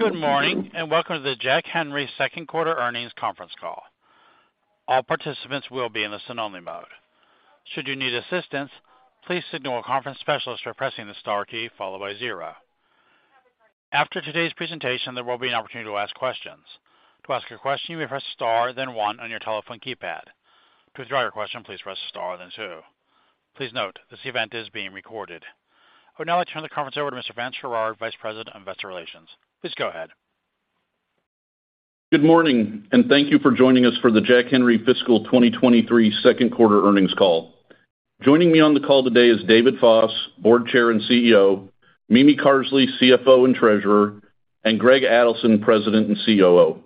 Good morning, and welcome to the Jack Henry second quarter earnings conference call. All participants will be in the listen-only mode. Should you need assistance, please signal a conference specialist by pressing the star key followed by zero. After today's presentation, there will be an opportunity to ask questions. To ask a question, you may press star then one on your telephone keypad. To withdraw your question, please press star then two. Please note, this event is being recorded. I would now like to turn the conference over to Mr. Vance Sherard, Vice President of Investor Relations. Please go ahead. Good morning, thank you for joining us for the Jack Henry fiscal 2023 second quarter earnings call. Joining me on the call today is David Foss, Board Chair and CEO, Mimi Carsley, CFO and Treasurer, and Greg Adelson, President and COO.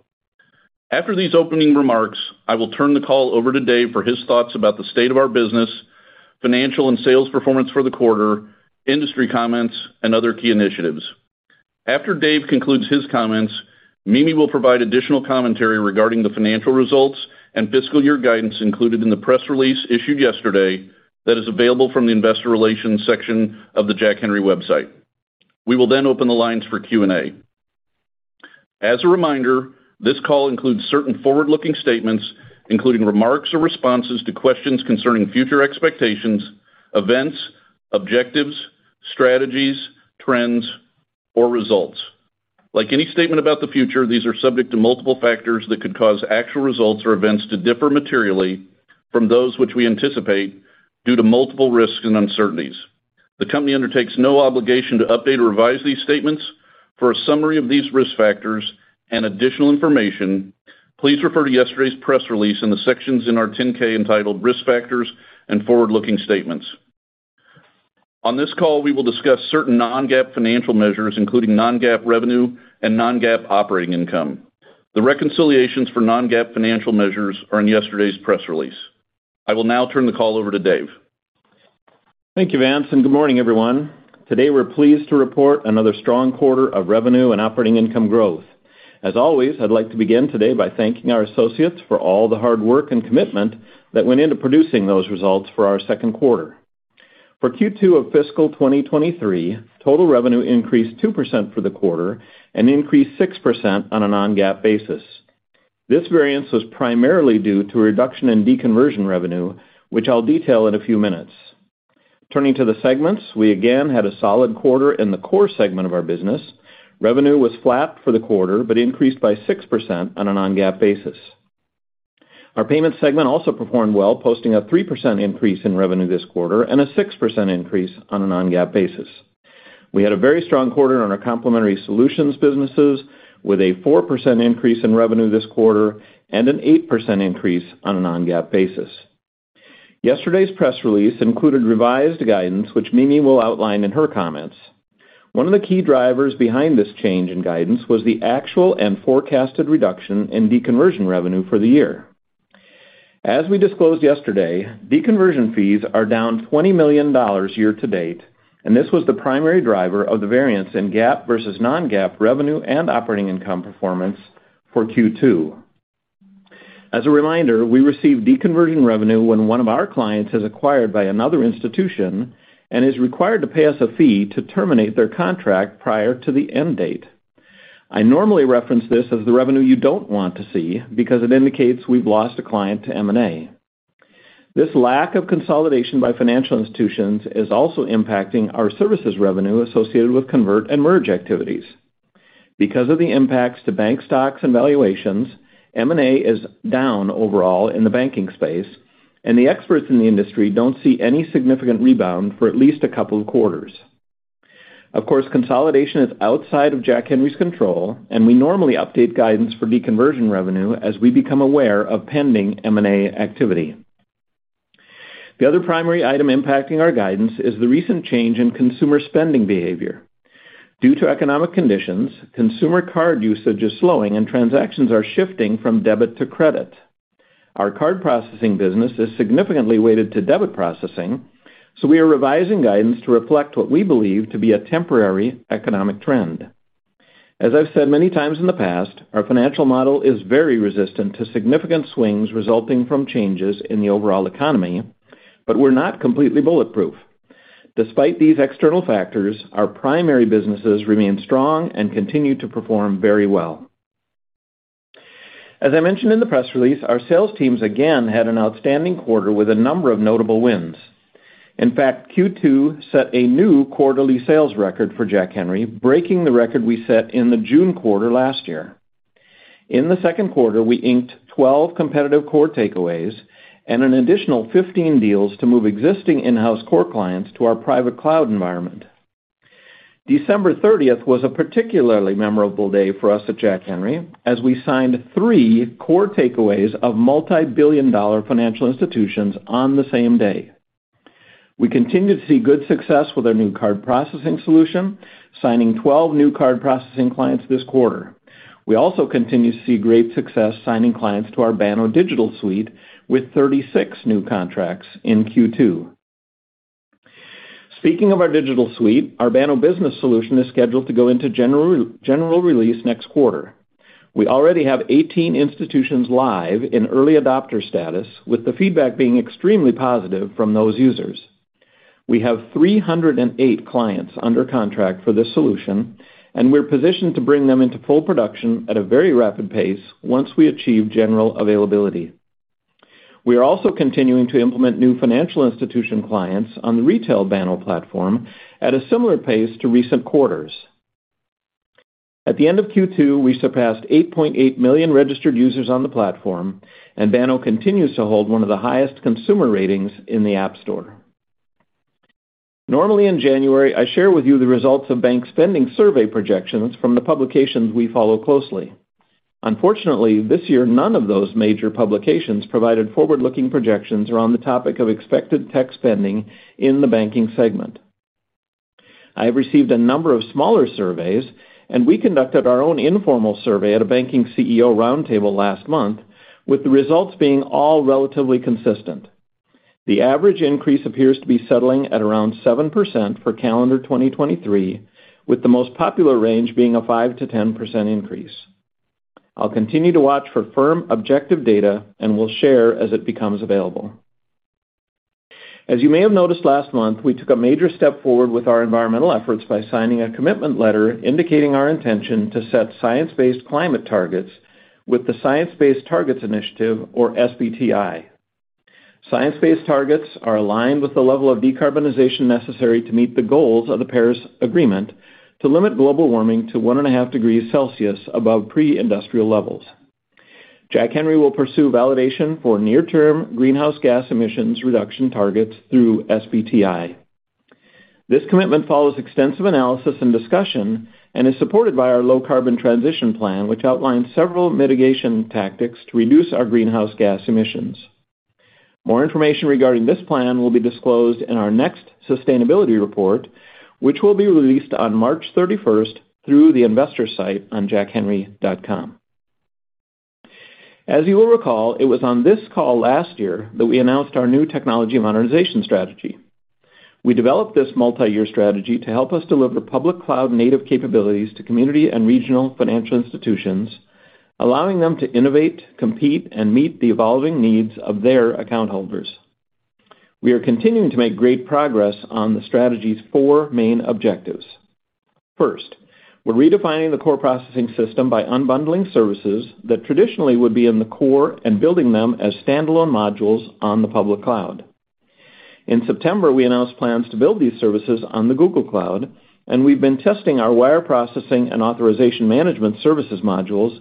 After these opening remarks, I will turn the call over to Dave for his thoughts about the state of our business, financial and sales performance for the quarter, industry comments, and other key initiatives. After Dave concludes his comments, Mimi will provide additional commentary regarding the financial results and fiscal year guidance included in the press release issued yesterday that is available from the investor relations section of the Jack Henry website. We will open the lines for Q&A. As a reminder, this call includes certain forward-looking statements, including remarks or responses to questions concerning future expectations, events, objectives, strategies, trends, or results. Like any statement about the future, these are subject to multiple factors that could cause actual results or events to differ materially from those which we anticipate due to multiple risks and uncertainties. The company undertakes no obligation to update or revise these statements. For a summary of these risk factors and additional information, please refer to yesterday's press release in the sections in our 10-K entitled Risk Factors and Forward-Looking Statements. On this call, we will discuss certain non-GAAP financial measures, including non-GAAP revenue and non-GAAP operating income. The reconciliations for non-GAAP financial measures are in yesterday's press release. I will now turn the call over to Dave. Thank you, Vance. Good morning, everyone. Today, we're pleased to report another strong quarter of revenue and operating income growth. As always, I'd like to begin today by thanking our associates for all the hard work and commitment that went into producing those results for our second quarter. For Q2 of fiscal 2023, total revenue increased 2% for the quarter and increased 6% on a non-GAAP basis. This variance was primarily due to a reduction in deconversion revenue, which I'll detail in a few minutes. Turning to the segments, we again had a solid quarter in the core segment of our business. Revenue was flat for the quarter, but increased by 6% on a non-GAAP basis. Our payments segment also performed well, posting a 3% increase in revenue this quarter and a 6% increase on a non-GAAP basis. We had a very strong quarter on our complementary solutions businesses with a 4% increase in revenue this quarter and an 8% increase on a non-GAAP basis. Yesterday's press release included revised guidance, which Mimi will outline in her comments. One of the key drivers behind this change in guidance was the actual and forecasted reduction in deconversion revenue for the year. As we disclosed yesterday, deconversion fees are down $20 million year to date, and this was the primary driver of the variance in GAAP versus non-GAAP revenue and operating income performance for Q2. As a reminder, we receive deconverting revenue when one of our clients is acquired by another institution and is required to pay us a fee to terminate their contract prior to the end date. I normally reference this as the revenue you don't want to see because it indicates we've lost a client to M&A. This lack of consolidation by financial institutions is also impacting our services revenue associated with convert and merge activities. Because of the impacts to bank stocks and valuations, M&A is down overall in the banking space, and the experts in the industry don't see any significant rebound for at least a couple of quarters. Of course, consolidation is outside of Jack Henry's control, and we normally update guidance for deconversion revenue as we become aware of pending M&A activity. The other primary item impacting our guidance is the recent change in consumer spending behavior. Due to economic conditions, consumer card usage is slowing, and transactions are shifting from debit to credit. Our card processing business is significantly weighted to debit processing, so we are revising guidance to reflect what we believe to be a temporary economic trend. As I've said many times in the past, our financial model is very resistant to significant swings resulting from changes in the overall economy, but we're not completely bulletproof. Despite these external factors, our primary businesses remain strong and continue to perform very well. As I mentioned in the press release, our sales teams again had an outstanding quarter with a number of notable wins. In fact, Q2 set a new quarterly sales record for Jack Henry, breaking the record we set in the June quarter last year. In the second quarter, we inked 12 competitive core takeaways and an additional 15 deals to move existing in-house core clients to our private cloud environment. December 30th was a particularly memorable day for us at Jack Henry as we signed 3 core takeaways of multi-billion dollar financial institutions on the same day. We continue to see good success with our new card processing solution, signing 12 new card processing clients this quarter. We also continue to see great success signing clients to our Banno digital suite with 36 new contracts in Q2. Speaking of our digital suite, our Banno Business solution is scheduled to go into general release next quarter. We already have 18 institutions live in early adopter status, with the feedback being extremely positive from those users. We have 308 clients under contract for this solution, and we're positioned to bring them into full production at a very rapid pace once we achieve general availability. We are also continuing to implement new financial institution clients on the retail Banno platform at a similar pace to recent quarters. At the end of Q2, we surpassed 8.8 million registered users on the platform, and Banno continues to hold one of the highest consumer ratings in the App Store. Normally in January, I share with you the results of bank spending survey projections from the publications we follow closely. Unfortunately, this year none of those major publications provided forward-looking projections around the topic of expected tech spending in the banking segment. I have received a number of smaller surveys, and we conducted our own informal survey at a banking CEO roundtable last month, with the results being all relatively consistent. The average increase appears to be settling at around 7% for calendar 2023, with the most popular range being a 5%-10% increase. I'll continue to watch for firm objective data and will share as it becomes available. You may have noticed last month, we took a major step forward with our environmental efforts by signing a commitment letter indicating our intention to set science-based climate targets with the Science Based Targets initiative, or SBTi. Science-based targets are aligned with the level of decarbonization necessary to meet the goals of the Paris Agreement to limit global warming to 1.5 degrees Celsius above pre-industrial levels. Jack Henry will pursue validation for near-term greenhouse gas emissions reduction targets through SBTi. This commitment follows extensive analysis and discussion and is supported by our low carbon transition plan, which outlines several mitigation tactics to reduce our greenhouse gas emissions. More information regarding this plan will be disclosed in our next sustainability report, which will be released on March 31st through the investor site on jackhenry.com. As you will recall, it was on this call last year that we announced our new technology modernization strategy. We developed this multi-year strategy to help us deliver public cloud-native capabilities to community and regional financial institutions, allowing them to innovate, compete, and meet the evolving needs of their account holders. We are continuing to make great progress on the strategy's four main objectives. First, we're redefining the core processing system by unbundling services that traditionally would be in the core and building them as standalone modules on the public cloud. In September, we announced plans to build these services on the Google Cloud, and we've been testing our wire processing and authorization management services modules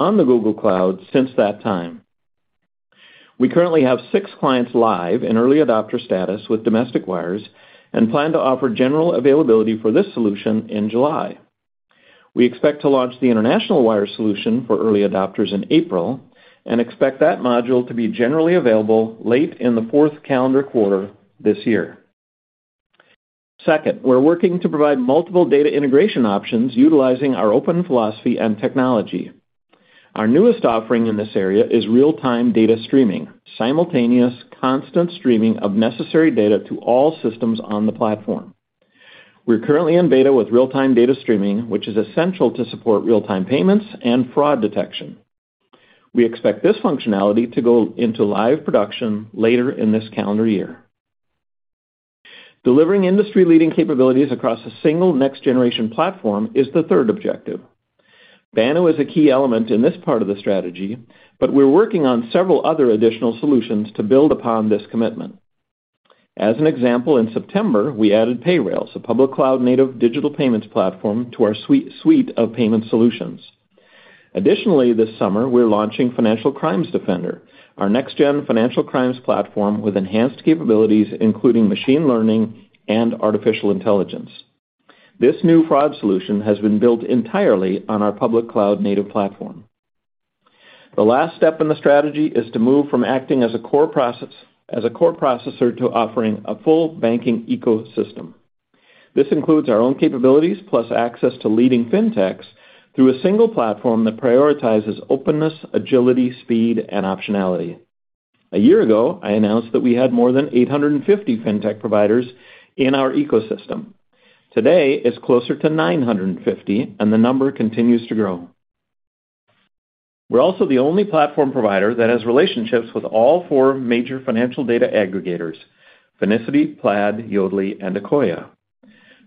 on the Google Cloud since that time. We currently have six clients live in early adopter status with domestic wires and plan to offer general availability for this solution in July. We expect to launch the international wire solution for early adopters in April and expect that module to be generally available late in the 4th calendar quarter this year. Second, we're working to provide multiple data integration options utilizing our open philosophy and technology. Our newest offering in this area is real-time data streaming, simultaneous constant streaming of necessary data to all systems on the platform. We're currently in beta with real-time data streaming, which is essential to support real-time payments and fraud detection. We expect this functionality to go into live production later in this calendar year. Delivering industry-leading capabilities across a single next-generation platform is the third objective. Banno is a key element in this part of the strategy. We're working on several other additional solutions to build upon this commitment. As an example, in September, we added Payrailz, a public cloud-native digital payments platform, to our suite of payment solutions. Additionally, this summer, we're launching Financial Crimes Defender, our next-gen financial crimes platform with enhanced capabilities, including machine learning and artificial intelligence. This new fraud solution has been built entirely on our public cloud-native platform. The last step in the strategy is to move from acting as a core processor to offering a full banking ecosystem. This includes our own capabilities plus access to leading fintechs through a single platform that prioritizes openness, agility, speed, and optionality. A year ago, I announced that we had more than 850 fintech providers in our ecosystem. Today, it's closer to 950, and the number continues to grow. We're also the only platform provider that has relationships with all four major financial data aggregators, Finicity, Plaid, Yodlee, and Akoya.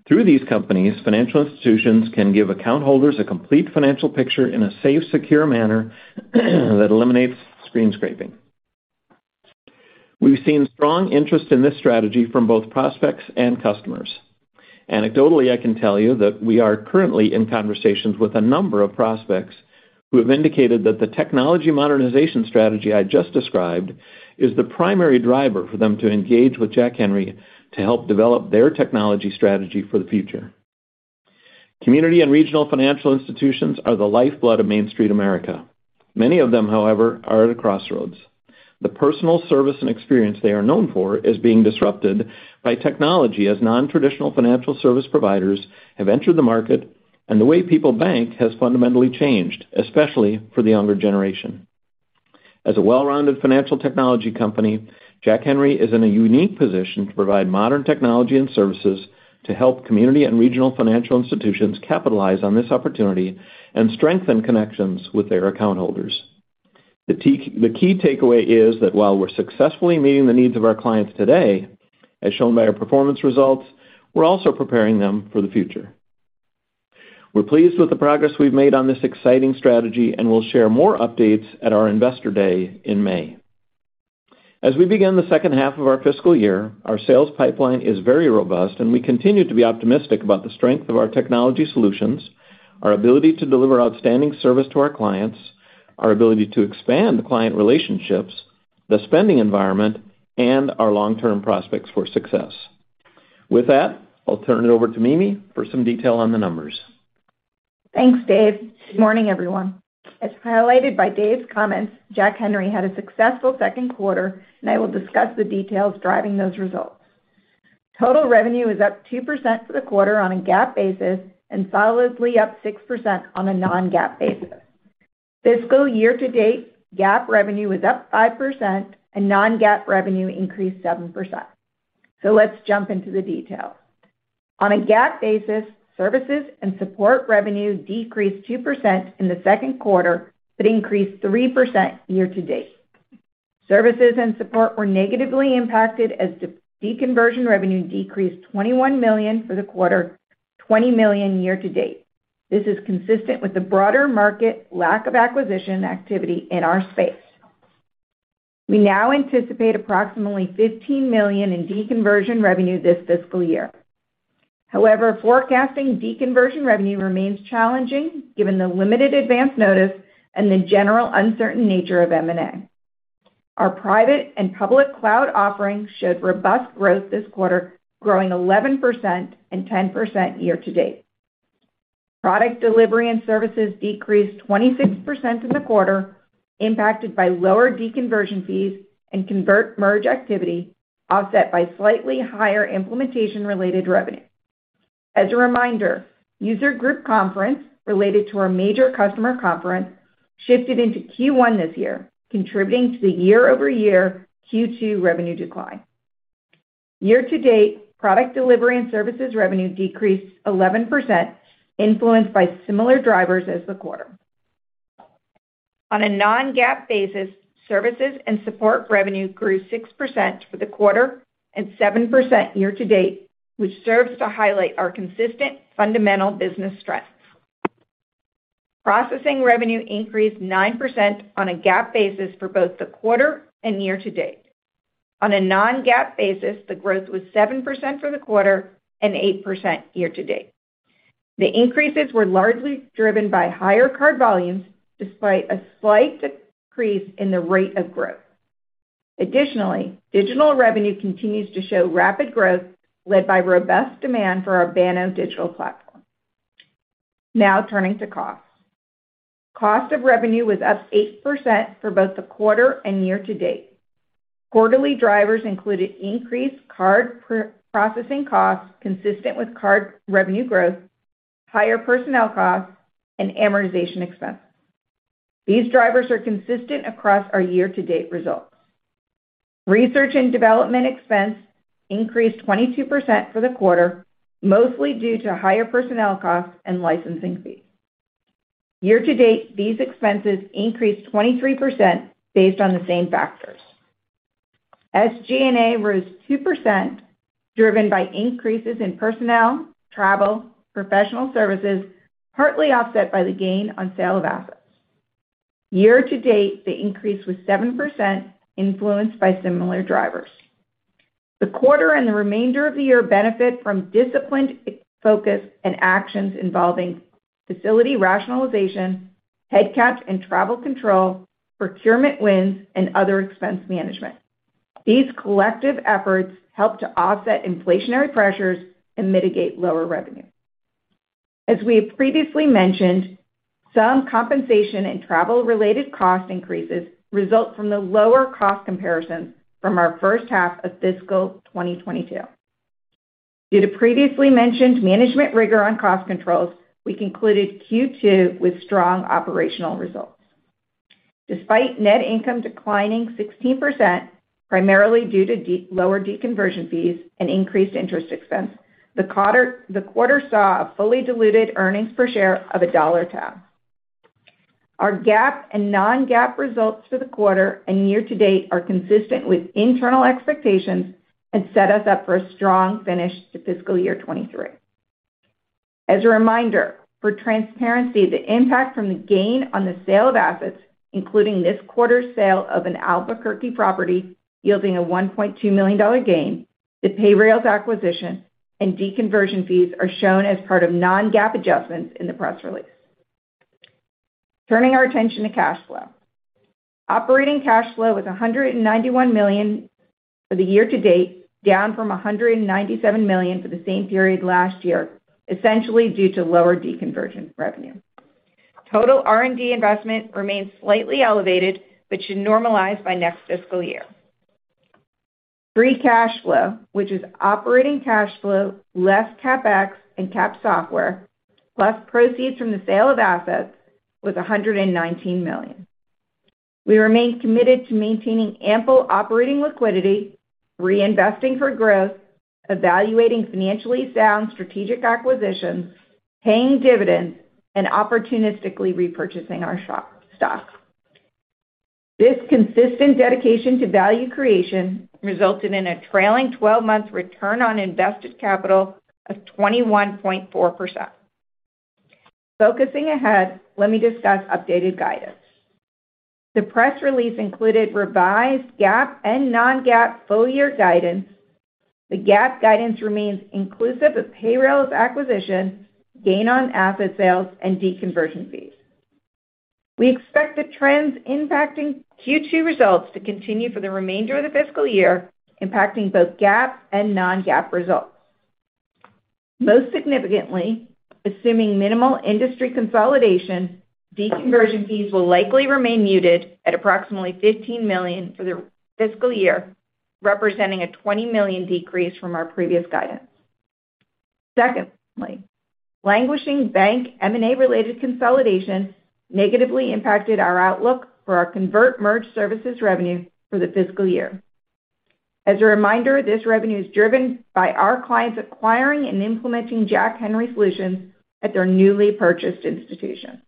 Through these companies, financial institutions can give account holders a complete financial picture in a safe, secure manner that eliminates screen scraping. We've seen strong interest in this strategy from both prospects and customers. Anecdotally, I can tell you that we are currently in conversations with a number of prospects who have indicated that the technology modernization strategy I just described is the primary driver for them to engage with Jack Henry to help develop their technology strategy for the future. Community and regional financial institutions are the lifeblood of Main Street America. Many of them, however, are at a crossroads. The personal service and experience they are known for is being disrupted by technology as non-traditional financial service providers have entered the market, and the way people bank has fundamentally changed, especially for the younger generation. As a well-rounded financial technology company, Jack Henry is in a unique position to provide modern technology and services to help community and regional financial institutions capitalize on this opportunity and strengthen connections with their account holders. The key takeaway is that while we're successfully meeting the needs of our clients today, as shown by our performance results, we're also preparing them for the future. We're pleased with the progress we've made on this exciting strategy, and we'll share more updates at our Investor Day in May. As we begin the second half of our fiscal year, our sales pipeline is very robust, and we continue to be optimistic about the strength of our technology solutions, our ability to deliver outstanding service to our clients, our ability to expand the client relationships, the spending environment, and our long-term prospects for success. With that, I'll turn it over to Mimi for some detail on the numbers. Thanks, Dave. Good morning, everyone. As highlighted by Dave's comments, Jack Henry had a successful second quarter, and I will discuss the details driving those results. Total revenue is up 2% for the quarter on a GAAP basis and solidly up 6% on a non-GAAP basis. Fiscal year to date, GAAP revenue is up 5% and non-GAAP revenue increased 7%. Let's jump into the detail. On a GAAP basis, services and support revenue decreased 2% in the second quarter, but increased 3% year to date. Services and support were negatively impacted as de-deconversion revenue decreased $21 million for the quarter, $20 million year to date. This is consistent with the broader market lack of acquisition activity in our space. We now anticipate approximately $15 million in deconversion revenue this fiscal year. Forecasting deconversion revenue remains challenging given the limited advance notice and the general uncertain nature of M&A. Our private and public cloud offerings showed robust growth this quarter, growing 11% and 10% year-to-date. Product delivery and services decreased 26% in the quarter, impacted by lower deconversion fees and convert merge activity, offset by slightly higher implementation-related revenue. As a reminder, user group conference related to our major customer conference shifted into Q1 this year, contributing to the year-over-year Q2 revenue decline. Year-to-date, product delivery and services revenue decreased 11%, influenced by similar drivers as the quarter. On a non-GAAP basis, services and support revenue grew 6% for the quarter and 7% year-to-date, which serves to highlight our consistent fundamental business strengths. Processing revenue increased 9% on a GAAP basis for both the quarter and year to date. On a non-GAAP basis, the growth was 7% for the quarter and 8% year to date. The increases were largely driven by higher card volumes despite a slight decrease in the rate of growth. Additionally, digital revenue continues to show rapid growth led by robust demand for our Banno digital platform. Now turning to costs. Cost of revenue was up 8% for both the quarter and year to date. Quarterly drivers included increased card processing costs consistent with card revenue growth, higher personnel costs, and amortization expense. These drivers are consistent across our year to date results. Research and development expense increased 22% for the quarter, mostly due to higher personnel costs and licensing fees. Year to date, these expenses increased 23% based on the same factors. SG&A rose 2% driven by increases in personnel, travel, professional services, partly offset by the gain on sale of assets. Year to date, the increase was 7% influenced by similar drivers. The quarter and the remainder of the year benefit from disciplined focus and actions involving facility rationalization, head count and travel control, procurement wins, and other expense management. These collective efforts help to offset inflationary pressures and mitigate lower revenue. As we have previously mentioned, some compensation and travel-related cost increases result from the lower cost comparisons from our first half of fiscal 2022. Due to previously mentioned management rigor on cost controls, we concluded Q2 with strong operational results. Despite net income declining 16%, primarily due to lower deconversion fees and increased interest expense, the quarter saw a fully diluted earnings per share of a $1 tab. Our GAAP and non-GAAP results for the quarter and year to date are consistent with internal expectations and set us up for a strong finish to fiscal year 2023. As a reminder, for transparency, the impact from the gain on the sale of assets, including this quarter's sale of an Albuquerque property yielding a $1.2 million gain, the Payrailz acquisition, and deconversion fees are shown as part of non-GAAP adjustments in the press release. Turning our attention to cash flow. Operating cash flow was $191 million for the year to date, down from $197 million for the same period last year, essentially due to lower deconversion revenue. Total R&D investment remains slightly elevated, but should normalize by next fiscal year. Free cash flow, which is operating cash flow, less CapEx and cap software, plus proceeds from the sale of assets, was $119 million. We remain committed to maintaining ample operating liquidity, reinvesting for growth-evaluating financially sound strategic acquisitions, paying dividends, and opportunistically repurchasing our stock. This consistent dedication to value creation resulted in a trailing 12-month return on invested capital of 21.4%. Focusing ahead, let me discuss updated guidance. The press release included revised GAAP and non-GAAP full-year guidance. The GAAP guidance remains inclusive of Payrailz acquisition, gain on asset sales, and deconversion fees. We expect the trends impacting Q2 results to continue for the remainder of the fiscal year, impacting both GAAP and non-GAAP results. Most significantly, assuming minimal industry consolidation, deconversion fees will likely remain muted at approximately $15 million for the fiscal year, representing a $20 million decrease from our previous guidance. Secondly, languishing bank M&A-related consolidation negatively impacted our outlook for our convert merge services revenue for the fiscal year. As a reminder, this revenue is driven by our clients acquiring and implementing Jack Henry solutions at their newly purchased institution.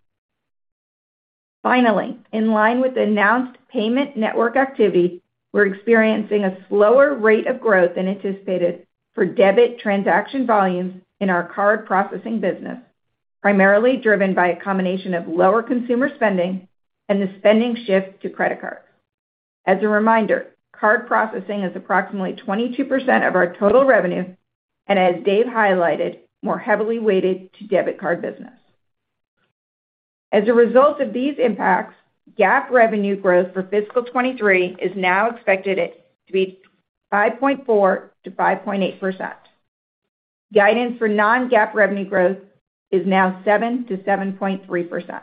Finally, in line with the announced payment network activity, we're experiencing a slower rate of growth than anticipated for debit transaction volumes in our card processing business, primarily driven by a combination of lower consumer spending and the spending shift to credit cards. As a reminder, card processing is approximately 22% of our total revenue, and as Dave highlighted, more heavily weighted to debit card business. As a result of these impacts, GAAP revenue growth for fiscal 2023 is now expected to be 5.4%-5.8%. Guidance for non-GAAP revenue growth is now 7%-7.3%.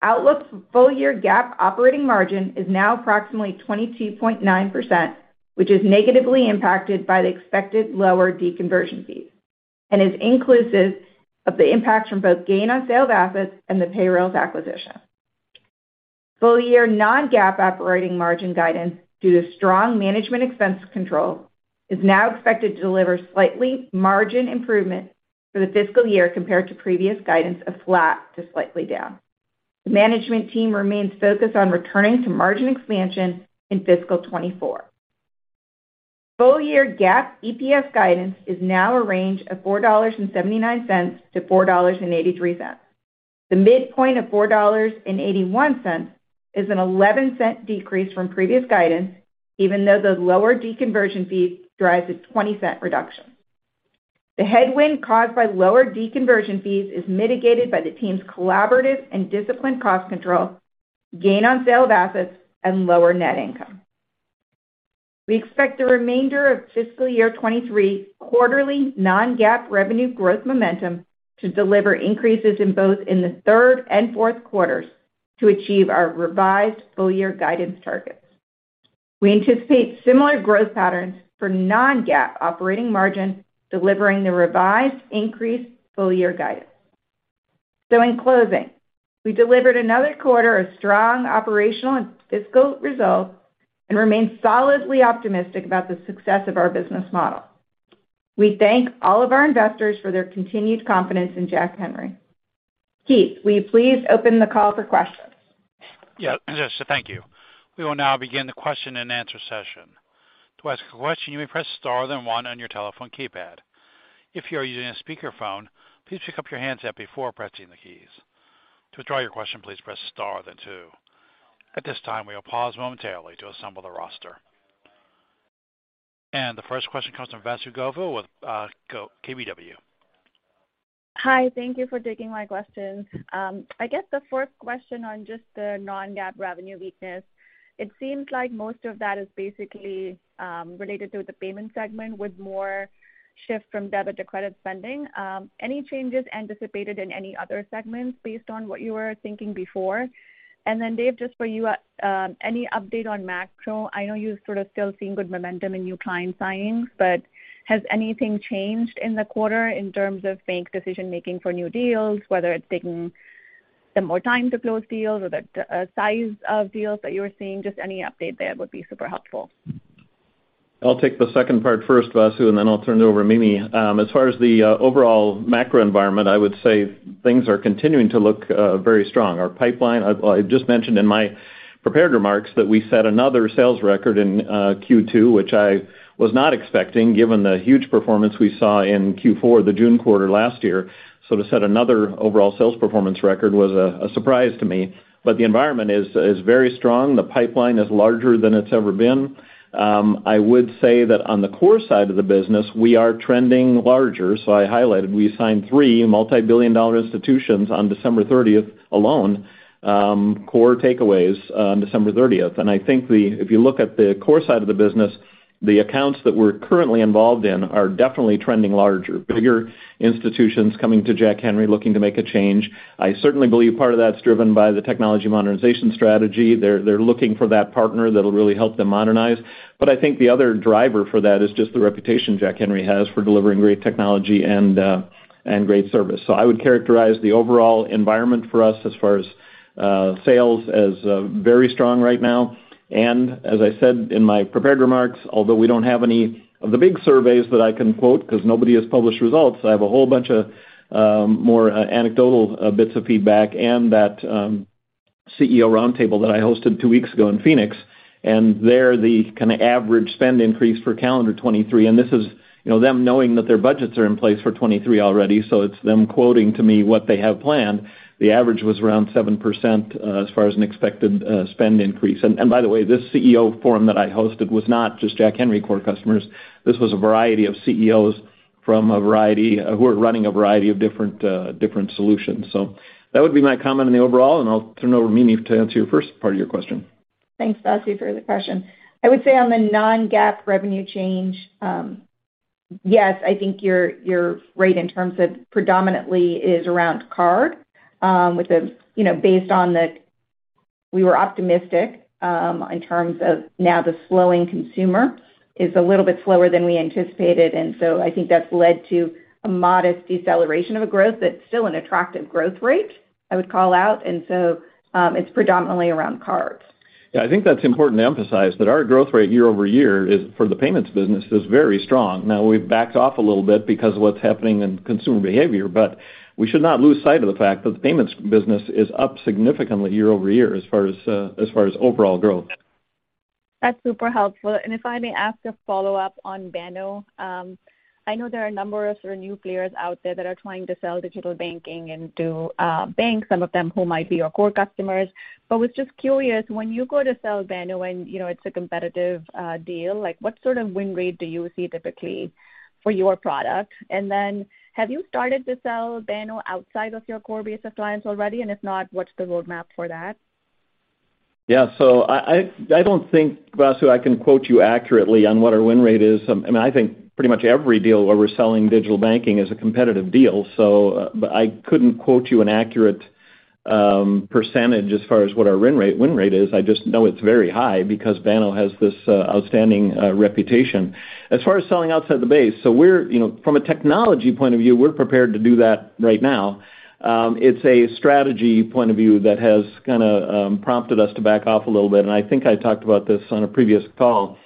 Outlook for full-year GAAP operating margin is now approximately 22.9%, which is negatively impacted by the expected lower deconversion fees and is inclusive of the impact from both gain on sale of assets and the Payrailz acquisition. Full-year non-GAAP operating margin guidance due to strong management expense control is now expected to deliver slightly margin improvement for the fiscal year compared to previous guidance of flat to slightly down. The management team remains focused on returning to margin expansion in fiscal 2024. Full-year GAAP EPS guidance is now a range of $4.79-$4.83. The midpoint of $4.81 is an 11 cent decrease from previous guidance, even though the lower deconversion fees drives a 20 cent reduction. The headwind caused by lower deconversion fees is mitigated by the team's collaborative and disciplined cost control, gain on sale of assets, and lower net income. We expect the remainder of fiscal year 2023 quarterly non-GAAP revenue growth momentum to deliver increases in both in the third and fourth quarters to achieve our revised full-year guidance targets. We anticipate similar growth patterns for non-GAAP operating margin, delivering the revised increased full-year guidance. In closing, we delivered another quarter of strong operational and fiscal results and remain solidly optimistic about the success of our business model. We thank all of our investors for their continued confidence in Jack Henry. Keith, will you please open the call for questions? Yeah. Jessica, thank you. We will now begin the question-and-answer session. To ask a question, you may press star then 1 on your telephone keypad. If you are using a speakerphone, please pick up your handset before pressing the keys. To withdraw your question, please press star then 2. At this time, we will pause momentarily to assemble the roster. The first question comes from Vasundhara Govil with KBW. Hi, thank you for taking my question. I guess the first question on just the non-GAAP revenue weakness, it seems like most of that is basically related to the payment segment with more shift from debit to credit spending. Any changes anticipated in any other segments based on what you were thinking before? Dave, just for you, any update on macro? I know you're sort of still seeing good momentum in new client signings, but has anything changed in the quarter in terms of bank decision-making for new deals, whether it's taking them more time to close deals or the size of deals that you are seeing? Just any update there would be super helpful. I'll take the second part first, Vasu, and then I'll turn it over to Mimi. As far as the overall macro environment, I would say things are continuing to look very strong. Our pipeline... I just mentioned in my prepared remarks that we set another sales record in Q2, which I was not expecting given the huge performance we saw in Q4, the June quarter last year. To set another overall sales performance record was a surprise to me. The environment is very strong. The pipeline is larger than it's ever been. I would say that on the core side of the business, we are trending larger. I highlighted, we signed 3 multi-billion dollar institutions on December 30th alone, core takeaways on December 30th. I think the if you look at the core side of the business, the accounts that we're currently involved in are definitely trending larger. Bigger institutions coming to Jack Henry looking to make a change. I certainly believe part of that's driven by the technology modernization strategy. They're looking for that partner that'll really help them modernize. I think the other driver for that is just the reputation Jack Henry has for delivering great technology and great service. I would characterize the overall environment for us as far as sales as very strong right now. As I said in my prepared remarks, although we don't have any of the big surveys that I can quote because nobody has published results, I have a whole bunch of more anecdotal bits of feedback and that. CEO roundtable that I hosted two weeks ago in Phoenix. There the kinda average spend increase for calendar 2023, and this is, you know, them knowing that their budgets are in place for 2023 already, it's them quoting to me what they have planned. The average was around 7%, as far as an expected spend increase. By the way, this CEO forum that I hosted was not just Jack Henry core customers. This was a variety of CEOs from a variety who are running a variety of different solutions. That would be my comment on the overall, and I'll turn it over to Mimi to answer your first part of your question. Thanks, Vasu, for the question. I would say on the non-GAAP revenue change, yes, I think you're right in terms of predominantly is around card. We were optimistic, in terms of now the slowing consumer is a little bit slower than we anticipated. I think that's led to a modest deceleration of a growth that's still an attractive growth rate, I would call out. It's predominantly around cards. I think that's important to emphasize that our growth rate year-over-year is, for the payments business, is very strong. We've backed off a little bit because of what's happening in consumer behavior. We should not lose sight of the fact that the payments business is up significantly year-over-year as far as overall growth. That's super helpful. If I may ask a follow-up on Banno. I know there are a number of sort of new players out there that are trying to sell digital banking into banks, some of them who might be your core customers. Was just curious, when you go to sell Banno and, you know, it's a competitive deal, like, what sort of win rate do you see typically for your product? Then have you started to sell Banno outside of your core base of clients already? If not, what's the roadmap for that? Yeah. I don't think, Vasu, I can quote you accurately on what our win rate is. I mean, I think pretty much every deal where we're selling digital banking is a competitive deal, but I couldn't quote you an accurate percentage as far as what our win rate is. I just know it's very high because Banno has this outstanding reputation. As far as selling outside the base, we're, you know, from a technology point of view, we're prepared to do that right now. It's a strategy point of view that has kinda prompted us to back off a little bit, and I think I talked about this on a previous call.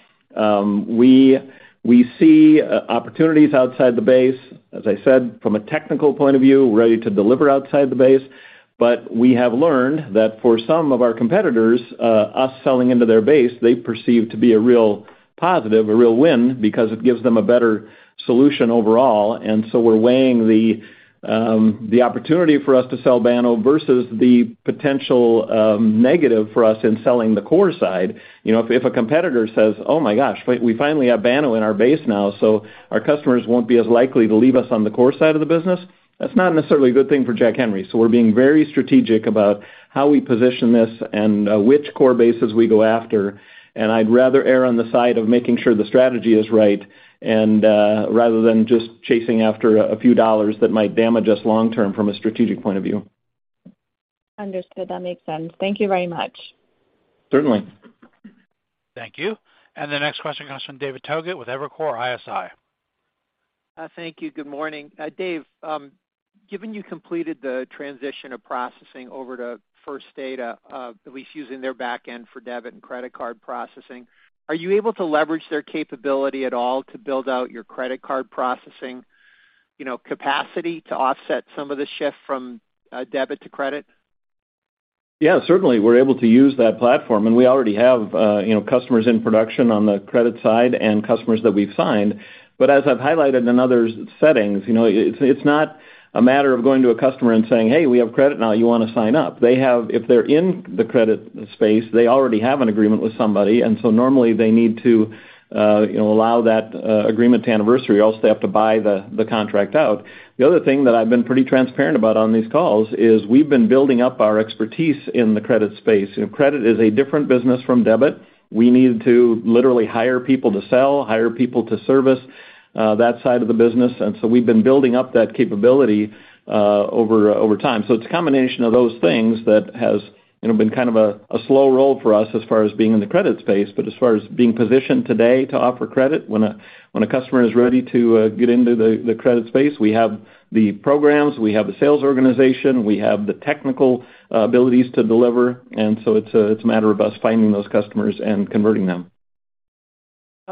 We see opportunities outside the base, as I said, from a technical point of view, ready to deliver outside the base. We have learned that for some of our competitors, us selling into their base, they perceive to be a real positive, a real win because it gives them a better solution overall. We're weighing the opportunity for us to sell Banno versus the potential negative for us in selling the core side. You know, if a competitor says, "Oh my gosh, wait, we finally have Banno in our base now, so our customers won't be as likely to leave us on the core side of the business," that's not necessarily a good thing for Jack Henry. We're being very strategic about how we position this and which core bases we go after. I'd rather err on the side of making sure the strategy is right and, rather than just chasing after a few dollars that might damage us long term from a strategic point of view. Understood. That makes sense. Thank you very much. Certainly. Thank you. The next question comes from David Togut with Evercore ISI. Thank you. Good morning. Dave, given you completed the transition of processing over to First Data, at least using their back end for debit and credit card processing, are you able to leverage their capability at all to build out your credit card processing, you know, capacity to offset some of the shift from debit to credit? Certainly. We're able to use that platform, and we already have, you know, customers in production on the credit side and customers that we've signed. As I've highlighted in other settings, you know, it's not a matter of going to a customer and saying, "Hey, we have credit now. You wanna sign up?" If they're in the credit space, they already have an agreement with somebody, normally they need to, you know, allow that agreement to anniversary or else they have to buy the contract out. The other thing that I've been pretty transparent about on these calls is we've been building up our expertise in the credit space. You know, credit is a different business from debit. We need to literally hire people to sell, hire people to service that side of the business. We've been building up that capability over time. It's a combination of those things that has, you know, been kind of a slow roll for us as far as being in the credit space. As far as being positioned today to offer credit when a customer is ready to get into the credit space, we have the programs, we have the sales organization, we have the technical abilities to deliver. It's a matter of us finding those customers and converting them.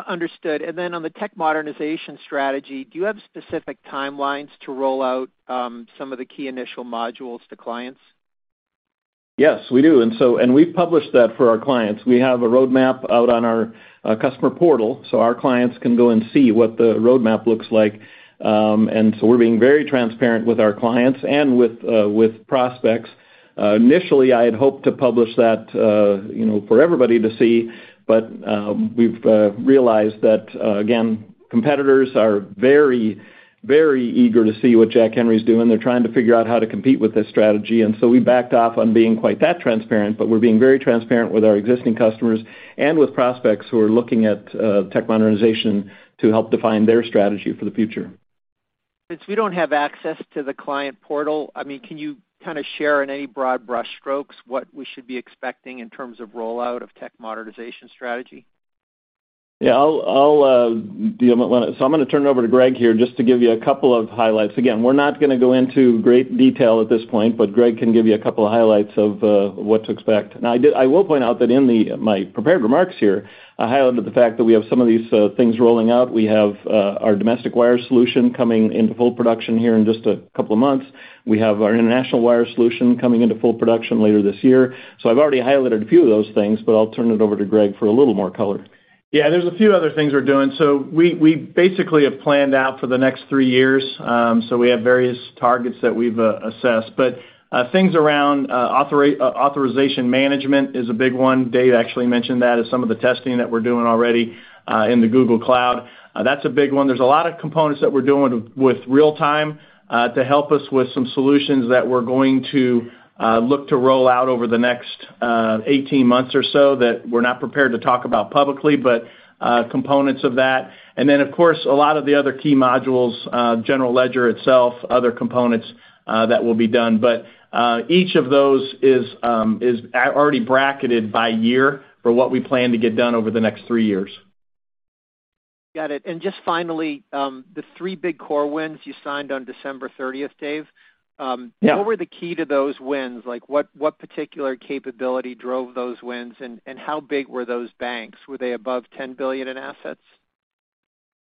understood. On the tech modernization strategy, do you have specific timelines to roll out, some of the key initial modules to clients? Yes, we do. We've published that for our clients. We have a roadmap out on our customer portal, so our clients can go and see what the roadmap looks like. We're being very transparent with our clients and with prospects. Initially, I had hoped to publish that, you know, for everybody to see, but we've realized that again, competitors are very, very eager to see what Jack Henry's doing. They're trying to figure out how to compete with this strategy. We backed off on being quite that transparent, but we're being very transparent with our existing customers and with prospects who are looking at tech modernization to help define their strategy for the future. Since we don't have access to the client portal, I mean, can you kinda share in any broad brush strokes what we should be expecting in terms of rollout of tech modernization strategy? I'll turn it over to Greg here just to give you a couple of highlights. Again, we're not gonna go into great detail at this point, but Greg can give you a couple highlights of what to expect. Now, I will point out that in my prepared remarks here, I highlighted the fact that we have some of these things rolling out. We have our domestic wire solution coming into full production here in just a couple of months. We have our international wire solution coming into full production later this year. I've already highlighted a few of those things, but I'll turn it over to Greg for a little more color. There's a few other things we're doing. We basically have planned out for the next 3 years, we have various targets that we've assessed. Things around author-authorization management is a big one. Dave actually mentioned that as some of the testing that we're doing already in the Google Cloud. That's a big one. There's a lot of components that we're doing with real time to help us with some solutions that we're going to look to roll out over the next 18 months or so that we're not prepared to talk about publicly, but components of that. Of course, a lot of the other key modules, general ledger itself, other components that will be done. Each of those is already bracketed by year for what we plan to get done over the next 3 years. Got it. Just finally, the three big core wins you signed on December 30th, Dave, Yeah. What were the key to those wins? Like, what particular capability drove those wins, and how big were those banks? Were they above $10 billion in assets?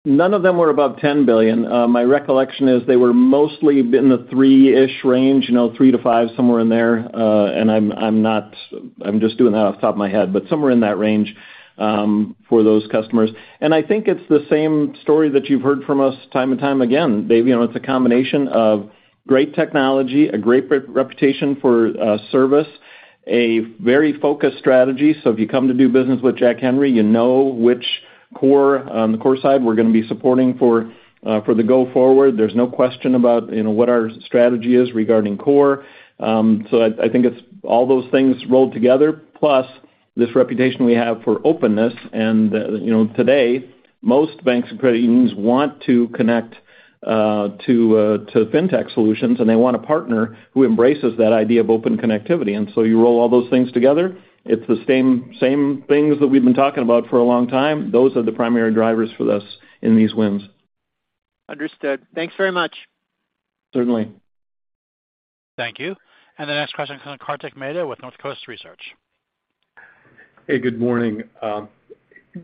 None of them were above $10 billion. My recollection is they were mostly in the three-ish range, you know, three to five, somewhere in there. I'm just doing that off the top of my head, but somewhere in that range, for those customers. I think it's the same story that you've heard from us time and time again, Dave. You know, it's a combination of great technology, a great reputation for service, a very focused strategy. If you come to do business with Jack Henry, you know which core, on the core side, we're gonna be supporting for the go forward. There's no question about, you know, what our strategy is regarding core. I think it's all those things rolled together, plus this reputation we have for openness. You know, today, most banks and credit unions want to connect to fintech solutions, and they want a partner who embraces that idea of open connectivity. You roll all those things together, it's the same things that we've been talking about for a long time. Those are the primary drivers for this in these wins. Understood. Thanks very much. Certainly. Thank you. The next question comes from Kartik Mehta with Northcoast Research. Hey, good morning.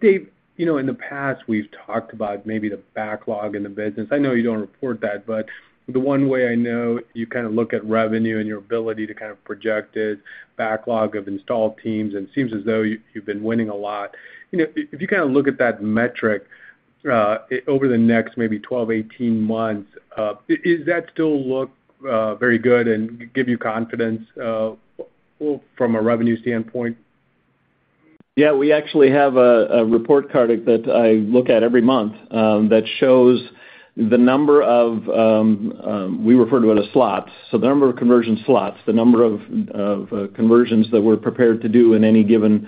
Dave, you know, in the past, we've talked about maybe the backlog in the business. I know you don't report that, but the one way I know you kind of look at revenue and your ability to kind of project it, backlog of installed teams, and it seems as though you've been winning a lot. You know, if you kind of look at that metric, over the next maybe 12, 18 months, is that still look very good and give you confidence from a revenue standpoint? Yeah, we actually have a report, Kartik, that I look at every month, that shows the number of, we refer to it as slots, so the number of conversion slots, the number of conversions that we're prepared to do in any given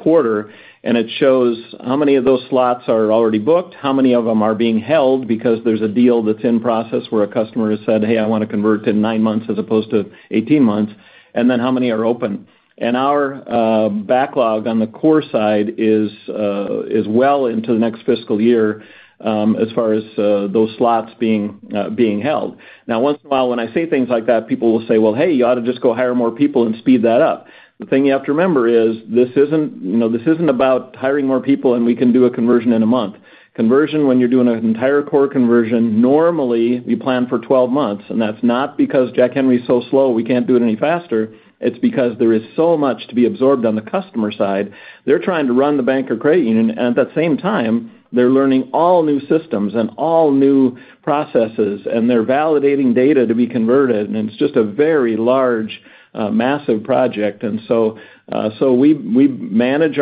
quarter. It shows how many of those slots are already booked, how many of them are being held because there's a deal that's in process where a customer has said, "Hey, I want to convert in 9 months as opposed to 18 months," and then how many are open. Our backlog on the core side is well into the next fiscal year, as far as those slots being held. Once in a while, when I say things like that, people will say, "Well, hey, you ought to just go hire more people and speed that up." The thing you have to remember is this isn't, you know, this isn't about hiring more people, and we can do a conversion in a month. Conversion, when you're doing an entire core conversion, normally you plan for 12 months, and that's not because Jack Henry's so slow, we can't do it any faster. It's because there is so much to be absorbed on the customer side. They're trying to run the bank or credit union, and at that same time, they're learning all new systems and all new processes, and they're validating data to be converted, and it's just a very large, massive project. So, so we manage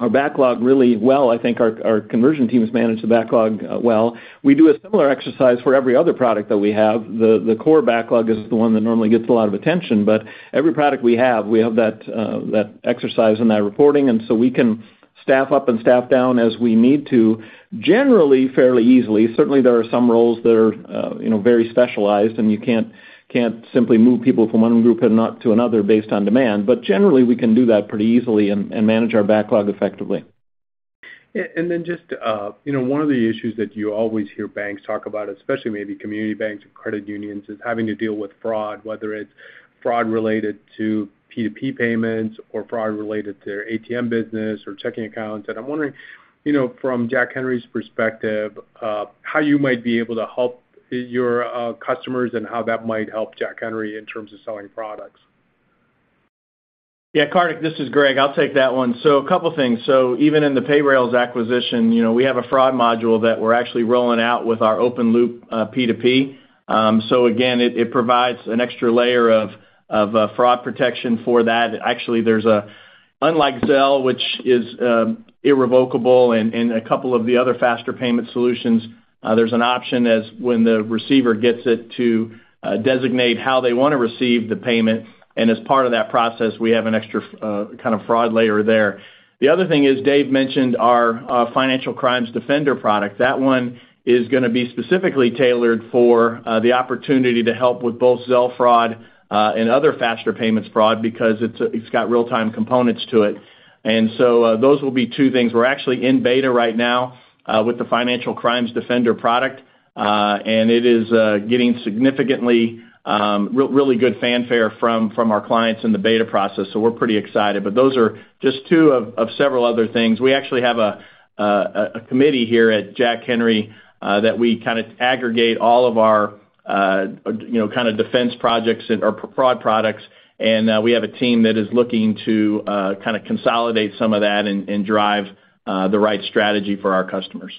our backlog really well. I think our conversion teams manage the backlog well. We do a similar exercise for every other product that we have. The core backlog is the one that normally gets a lot of attention, every product we have, we have that exercise and that reporting, so we can staff up and staff down as we need to, generally fairly easily. Certainly, there are some roles that are, you know, very specialized, and you can't simply move people from one group and not to another based on demand. Generally, we can do that pretty easily and manage our backlog effectively. Yeah. Then just, you know, one of the issues that you always hear banks talk about, especially maybe community banks and credit unions, is having to deal with fraud, whether it's fraud related to P2P payments or fraud related to their ATM business or checking accounts. I'm wondering, you know, from Jack Henry's perspective, how you might be able to help your customers and how that might help Jack Henry in terms of selling products. Yeah, Kartik, this is Greg. I'll take that one. A couple things. Even in the Payrailz acquisition, you know, we have a fraud module that we're actually rolling out with our open loop P2P. Again, it provides an extra layer of fraud protection for that. Actually, there's unlike Zelle, which is irrevocable and a couple of the other faster payment solutions, there's an option as when the receiver gets it to designate how they want to receive the payment. As part of that process, we have an extra kind of fraud layer there. The other thing is Dave mentioned our Financial Crimes Defender product. That one is gonna be specifically tailored for the opportunity to help with both Zelle fraud and other faster payments fraud because it's got real-time components to it. Those will be two things. We're actually in beta right now with the Financial Crimes Defender product, and it is getting significantly really good fanfare from our clients in the beta process, so we're pretty excited. Those are just two of several other things. We actually have a committee here at Jack Henry that we kind of aggregate all of our you know, kind of defense projects or fraud products. We have a team that is looking to kinda consolidate some of that and drive the right strategy for our customers.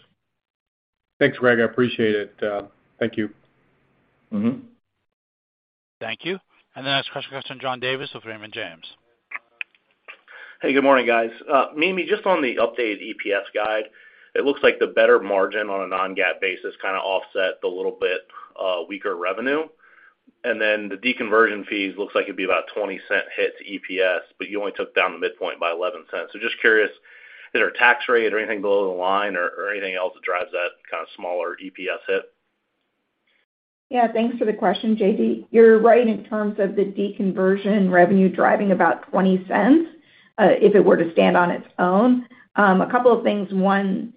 Thanks, David. I appreciate it. Thank you. Mm-hmm. Thank you. The next question comes from John Davis with Raymond James. Hey, good morning, guys. Mimi, just on the updated EPS guide. It looks like the better margin on a non-GAAP basis kinda offset the little bit, weaker revenue. The deconversion fees looks like it'd be about $0.20 hit to EPS, but you only took down the midpoint by $0.11. Just curious, is there a tax rate or anything below the line or anything else that drives that kind of smaller EPS hit? Yeah, thanks for the question, JD. You're right in terms of the deconversion revenue driving about $0.20, if it were to stand on its own. A couple of things. One,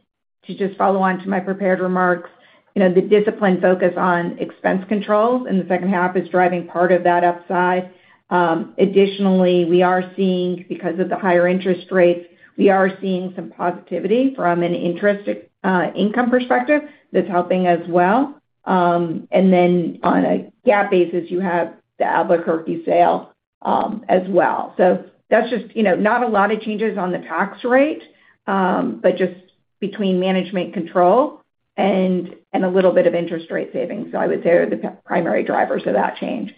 to just follow on to my prepared remarks, you know, the discipline focus on expense controls in the second half is driving part of that upside. Additionally, we are seeing because of the higher interest rates, we are seeing some positivity from an interest income perspective that's helping as well. Then on a GAAP basis, you have the Albuquerque sale as well. That's just, you know, not a lot of changes on the tax rate, but just between management control and a little bit of interest rate savings, so I would say are the primary drivers of that change.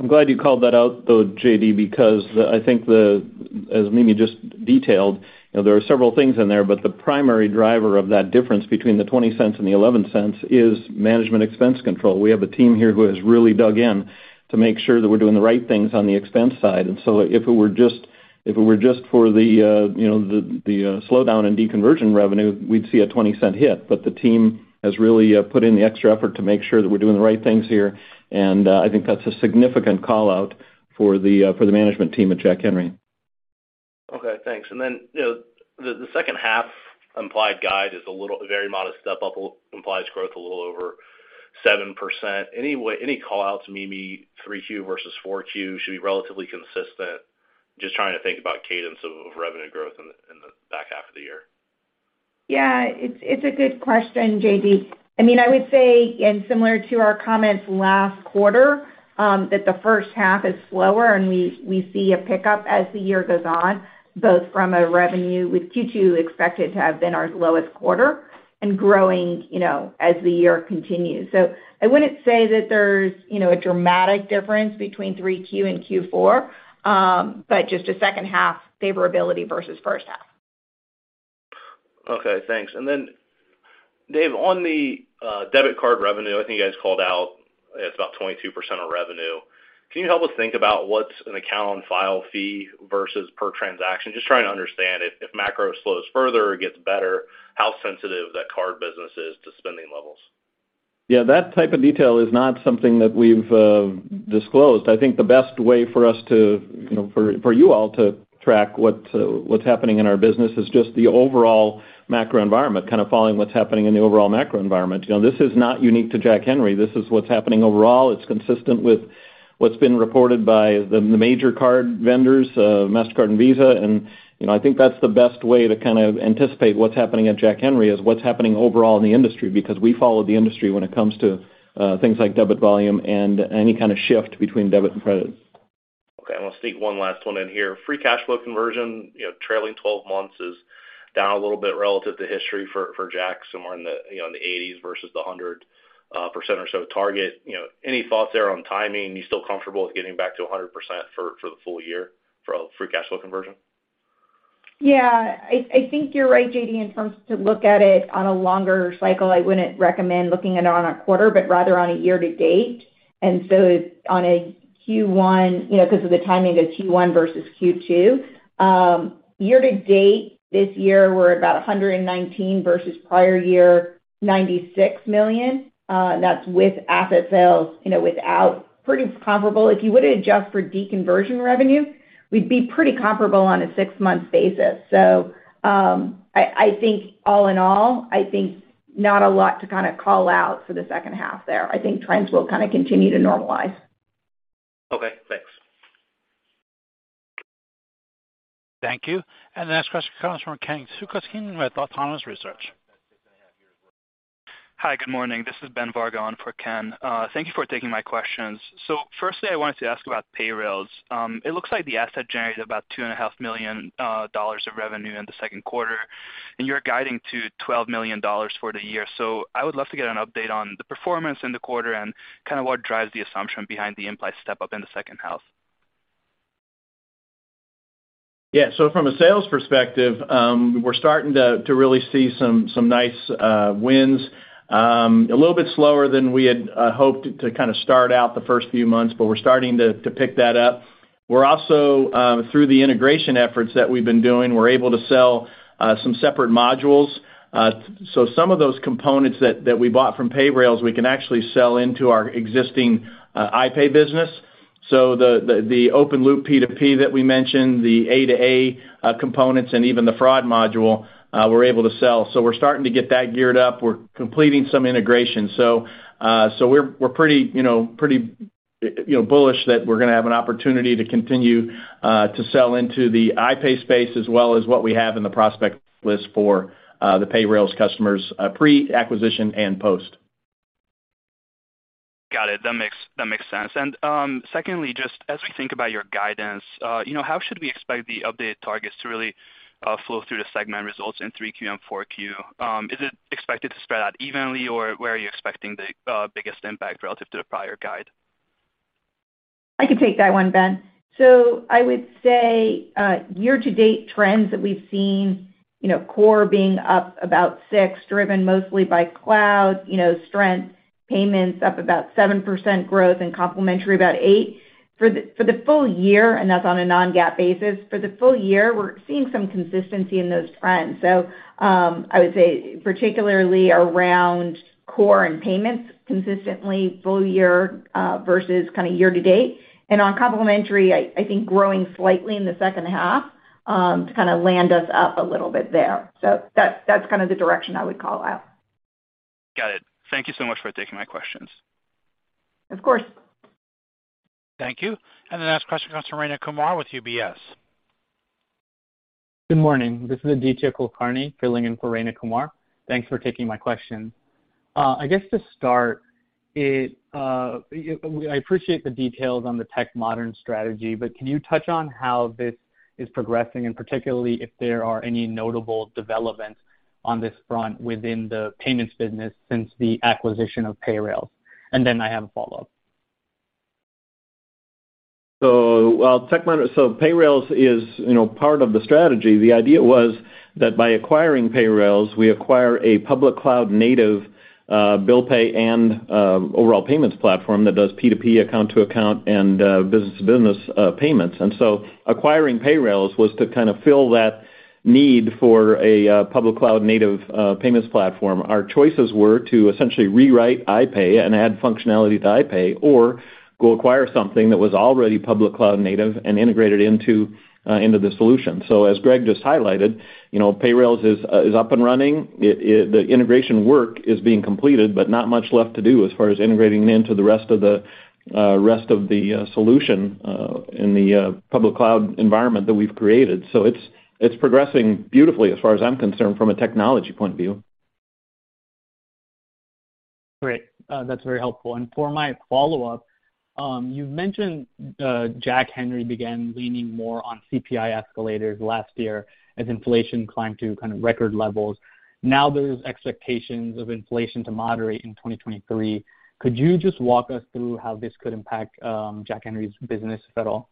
I'm glad you called that out, though, JD, because I think the as Mimi just detailed, you know, there are several things in there, but the primary driver of that difference between the $0.20 and the $0.11 is management expense control. We have a team here who has really dug in to make sure that we're doing the right things on the expense side. So if it were just for the, you know, the slowdown in deconversion revenue, we'd see a $0.20 hit. The team has really put in the extra effort to make sure that we're doing the right things here. I think that's a significant call-out for the management team at Jack Henry. Okay, thanks. You know, the second half implied guide is a little, very modest step up, implies growth a little over 7%. Any call outs, Mimi, 3Q versus 4Q should be relatively consistent? Just trying to think about cadence of revenue growth in the back half of the year. Yeah, it's a good question, JD. I mean, I would say, similar to our comments last quarter, that the first half is slower, we see a pickup as the year goes on, both from a revenue, with Q2 expected to have been our lowest quarter and growing, you know, as the year continues. I wouldn't say that there's, you know, a dramatic difference between 3Q and Q4, but just a second half favorability versus first half. Okay, thanks. Then, Dave, on the debit card revenue, I think you guys called out it's about 22% of revenue. Can you help us think about what's an account on file fee versus per transaction? Just trying to understand if macro slows further or gets better, how sensitive that card business is to spending levels. Yeah, that type of detail is not something that we've disclosed. I think the best way for us to, you know, for you all to track what's happening in our business is just the overall macro environment, kind of following what's happening in the overall macro environment. You know, this is not unique to Jack Henry. This is what's happening overall. It's consistent with what's been reported by the major card vendors, Mastercard and Visa. You know, I think that's the best way to kind of anticipate what's happening at Jack Henry is what's happening overall in the industry because we follow the industry when it comes to things like debit volume and any kind of shift between debit and credit. Okay. I'm gonna sneak one last one in here. Free cash flow conversion, you know, trailing 12 months is down a little bit relative to history for Jack, somewhere in the, you know, in the 80s versus the 100% or so target. You know, any thoughts there on timing? You still comfortable with getting back to 100% for the full year for free cash flow conversion? Yeah. I think you're right, JD, in terms to look at it on a longer cycle. I wouldn't recommend looking at it on a quarter, but rather on a year to date. On a Q1, you know, because of the timing of Q1 versus Q2, year to date this year, we're about $119 million versus prior year $96 million. That's with asset sales, you know, without pretty comparable. If you were to adjust for deconversion revenue, we'd be pretty comparable on a six-month basis. I think all in all, I think not a lot to kinda call out for the second half there. I think trends will kinda continue to normalize. Okay. Thanks. Thank you. The next question comes from Ken Suchoski with Autonomous Research. Hi, good morning. This is Ben Bargo for Ken. Thank you for taking my questions. Firstly, I wanted to ask about Payrailz. It looks like the asset generated about two and a half million dollars of revenue in the second quarter, and you're guiding to $12 million for the year. I would love to get an update on the performance in the quarter and kind of what drives the assumption behind the implied step-up in the second half. From a sales perspective, we're starting to really see some nice wins, a little bit slower than we had hoped to kind of start out the first few months. We're starting to pick that up. We're also through the integration efforts that we've been doing, we're able to sell some separate modules. Some of those components that we bought from Payrailz, we can actually sell into our existing iPay business. The open loop P2P that we mentioned, the A2A components, and even the fraud module, we're able to sell. We're starting to get that geared up. We're completing some integration. we're pretty, you know, bullish that we're gonna have an opportunity to continue to sell into the iPay space as well as what we have in the prospect list for the Payrailz customers pre-acquisition and post. Got it. That makes sense. Secondly, just as we think about your guidance, you know, how should we expect the updated targets to really flow through the segment results in 3Q and 4Q? Is it expected to spread out evenly, or where are you expecting the biggest impact relative to the prior guide? I can take that one, Ben. I would say, year-to-date trends that we've seen, you know, core being up about 6, driven mostly by cloud, you know, strength, payments up about 7% growth and complementary about eight. For the full year, and that's on a non-GAAP basis, for the full year, we're seeing some consistency in those trends. I would say particularly around core and payments consistently full year, versus kinda year to date. And on complementary, I think growing slightly in the second half, to kinda land us up a little bit there. That's kind of the direction I would call out. Got it. Thank you so much for taking my questions. Of course. Thank you. The next question comes from Rayna Kumar with UBS. Good morning. This is Aditya Kulkarni filling in for Rayna Kumar. Thanks for taking my question. I guess to start is, I appreciate the details on the tech modern strategy, but can you touch on how this is progressing and particularly if there are any notable developments on this front within the payments business since the acquisition of Payrailz? Then I have a follow-up. While Payrailz is, you know, part of the strategy. The idea was that by acquiring Payrailz, we acquire a public cloud native bill pay and overall payments platform that does P2P, account to account and business to business payments. Acquiring Payrailz was to kind of fill that need for a public cloud native payments platform. Our choices were to essentially rewrite iPay and add functionality to iPay or go acquire something that was already public cloud native and integrate it into the solution. As Greg just highlighted, you know, Payrailz is up and running. The integration work is being completed, but not much left to do as far as integrating into the rest of the rest of the solution in the public cloud environment that we've created. It's progressing beautifully as far as I'm concerned from a technology point of view. Great. That's very helpful. For my follow-up, you've mentioned Jack Henry began leaning more on CPI escalators last year as inflation climbed to kind of record levels. Now there's expectations of inflation to moderate in 2023. Could you just walk us through how this could impact Jack Henry's business at all?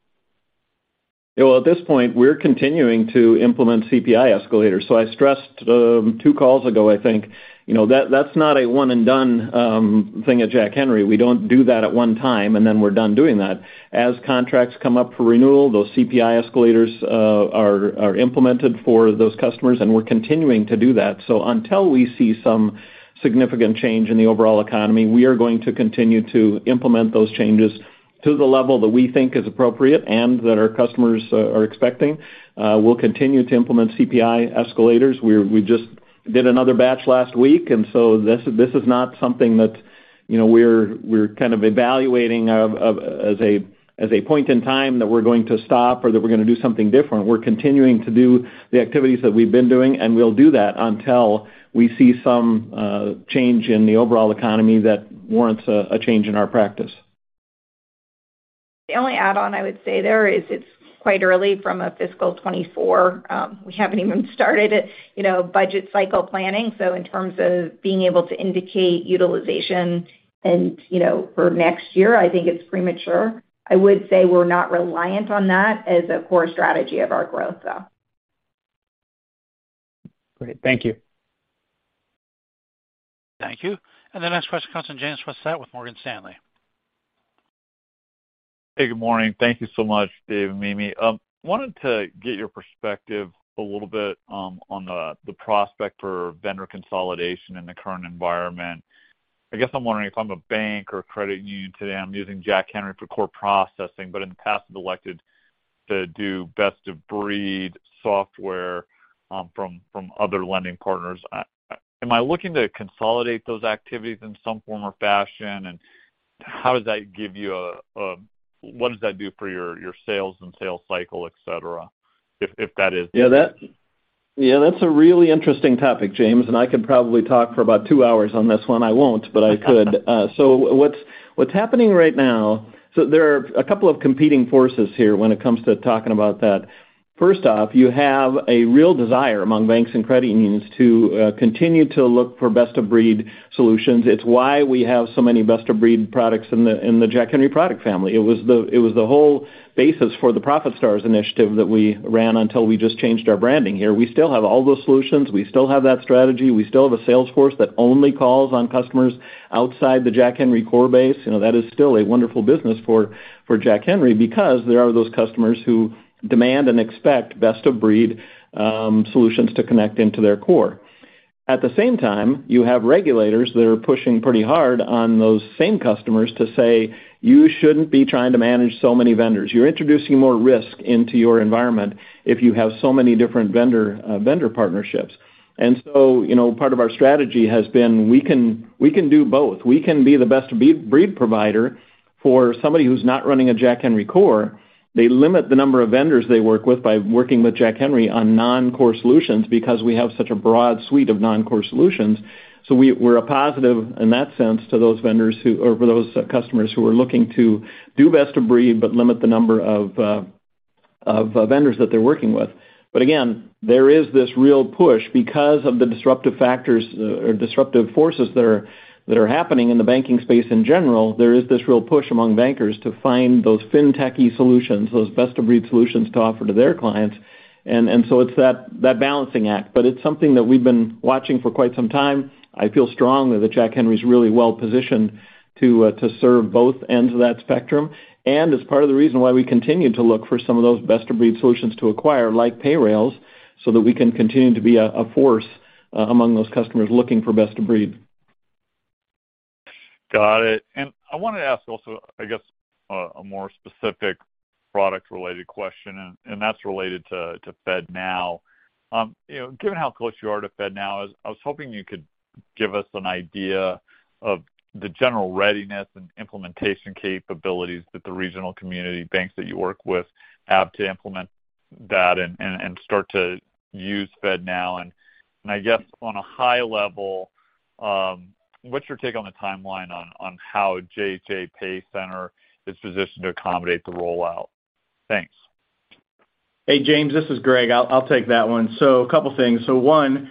At this point, we're continuing to implement CPI escalators. I stressed, two calls ago, I think, you know, that's not a one and done thing at Jack Henry. We don't do that at one time, and then we're done doing that. As contracts come up for renewal, those CPI escalators are implemented for those customers, and we're continuing to do that. Until we see some significant change in the overall economy, we are going to continue to implement those changes to the level that we think is appropriate and that our customers are expecting. We'll continue to implement CPI escalators. We just did another batch last week. This is not something that, you know, we're kind of evaluating as a point in time that we're going to stop or that we're gonna do something different. We're continuing to do the activities that we've been doing. We'll do that until we see some change in the overall economy that warrants a change in our practice. The only add-on I would say there is it's quite early from a fiscal 2024. We haven't even started, you know, budget cycle planning. In terms of being able to indicate utilization and, you know, for next year, I think it's premature. I would say we're not reliant on that as a core strategy of our growth, though. Great. Thank you. Thank you. The next question comes from James Faucette with Morgan Stanley. Hey, good morning. Thank you so much, Dave and Mimi. Wanted to get your perspective a little bit, on the prospect for vendor consolidation in the current environment. I guess I'm wondering if I'm a bank or credit union today, I'm using Jack Henry for core processing, but in the past have elected to do best of breed software, from other lending partners. Am I looking to consolidate those activities in some form or fashion? How does that give you what does that do for your sales and sales cycle, et cetera, if that is- Yeah, that's a really interesting topic, James, and I could probably talk for about two hours on this one. I won't, but I could. What's happening right now, so there are a couple of competing forces here when it comes to talking about that. First off, you have a real desire among banks and credit unions to continue to look for best of breed solutions. It's why we have so many best of breed products in the Jack Henry product family. It was the whole basis for the ProfitStars initiative that we ran until we just changed our branding here. We still have all those solutions. We still have that strategy. We still have a sales force that only calls on customers outside the Jack Henry core base. You know, that is still a wonderful business for Jack Henry because there are those customers who demand and expect best of breed solutions to connect into their core. At the same time, you have regulators that are pushing pretty hard on those same customers to say, "You shouldn't be trying to manage so many vendors. You're introducing more risk into your environment if you have so many different vendor partnerships." You know, part of our strategy has been we can do both. We can be the best of breed provider for somebody who's not running a Jack Henry core. They limit the number of vendors they work with by working with Jack Henry on non-core solutions because we have such a broad suite of non-core solutions. We're a positive in that sense to those vendors or for those customers who are looking to do best of breed, but limit the number of vendors that they're working with. Again, there is this real push because of the disruptive factors or disruptive forces that are happening in the banking space in general, there is this real push among bankers to find those fintech-y solutions, those best-of-breed solutions to offer to their clients. It's that balancing act. It's something that we've been watching for quite some time. I feel strongly that Jack Henry is really well-positioned to serve both ends of that spectrum. It's part of the reason why we continue to look for some of those best-of-breed solutions to acquire, like Payrailz, so that we can continue to be a force among those customers looking for best of breed. Got it. I wanted to ask also, I guess, a more specific product-related question, and that's related to FedNow. You know, given how close you are to FedNow, I was hoping you could give us an idea of the general readiness and implementation capabilities that the regional community banks that you work with have to implement that and start to use FedNow. I guess on a high level, what's your take on the timeline on how JHA PayCenter is positioned to accommodate the rollout? Thanks. Hey, James, this is Greg. I'll take that one. A couple things. One,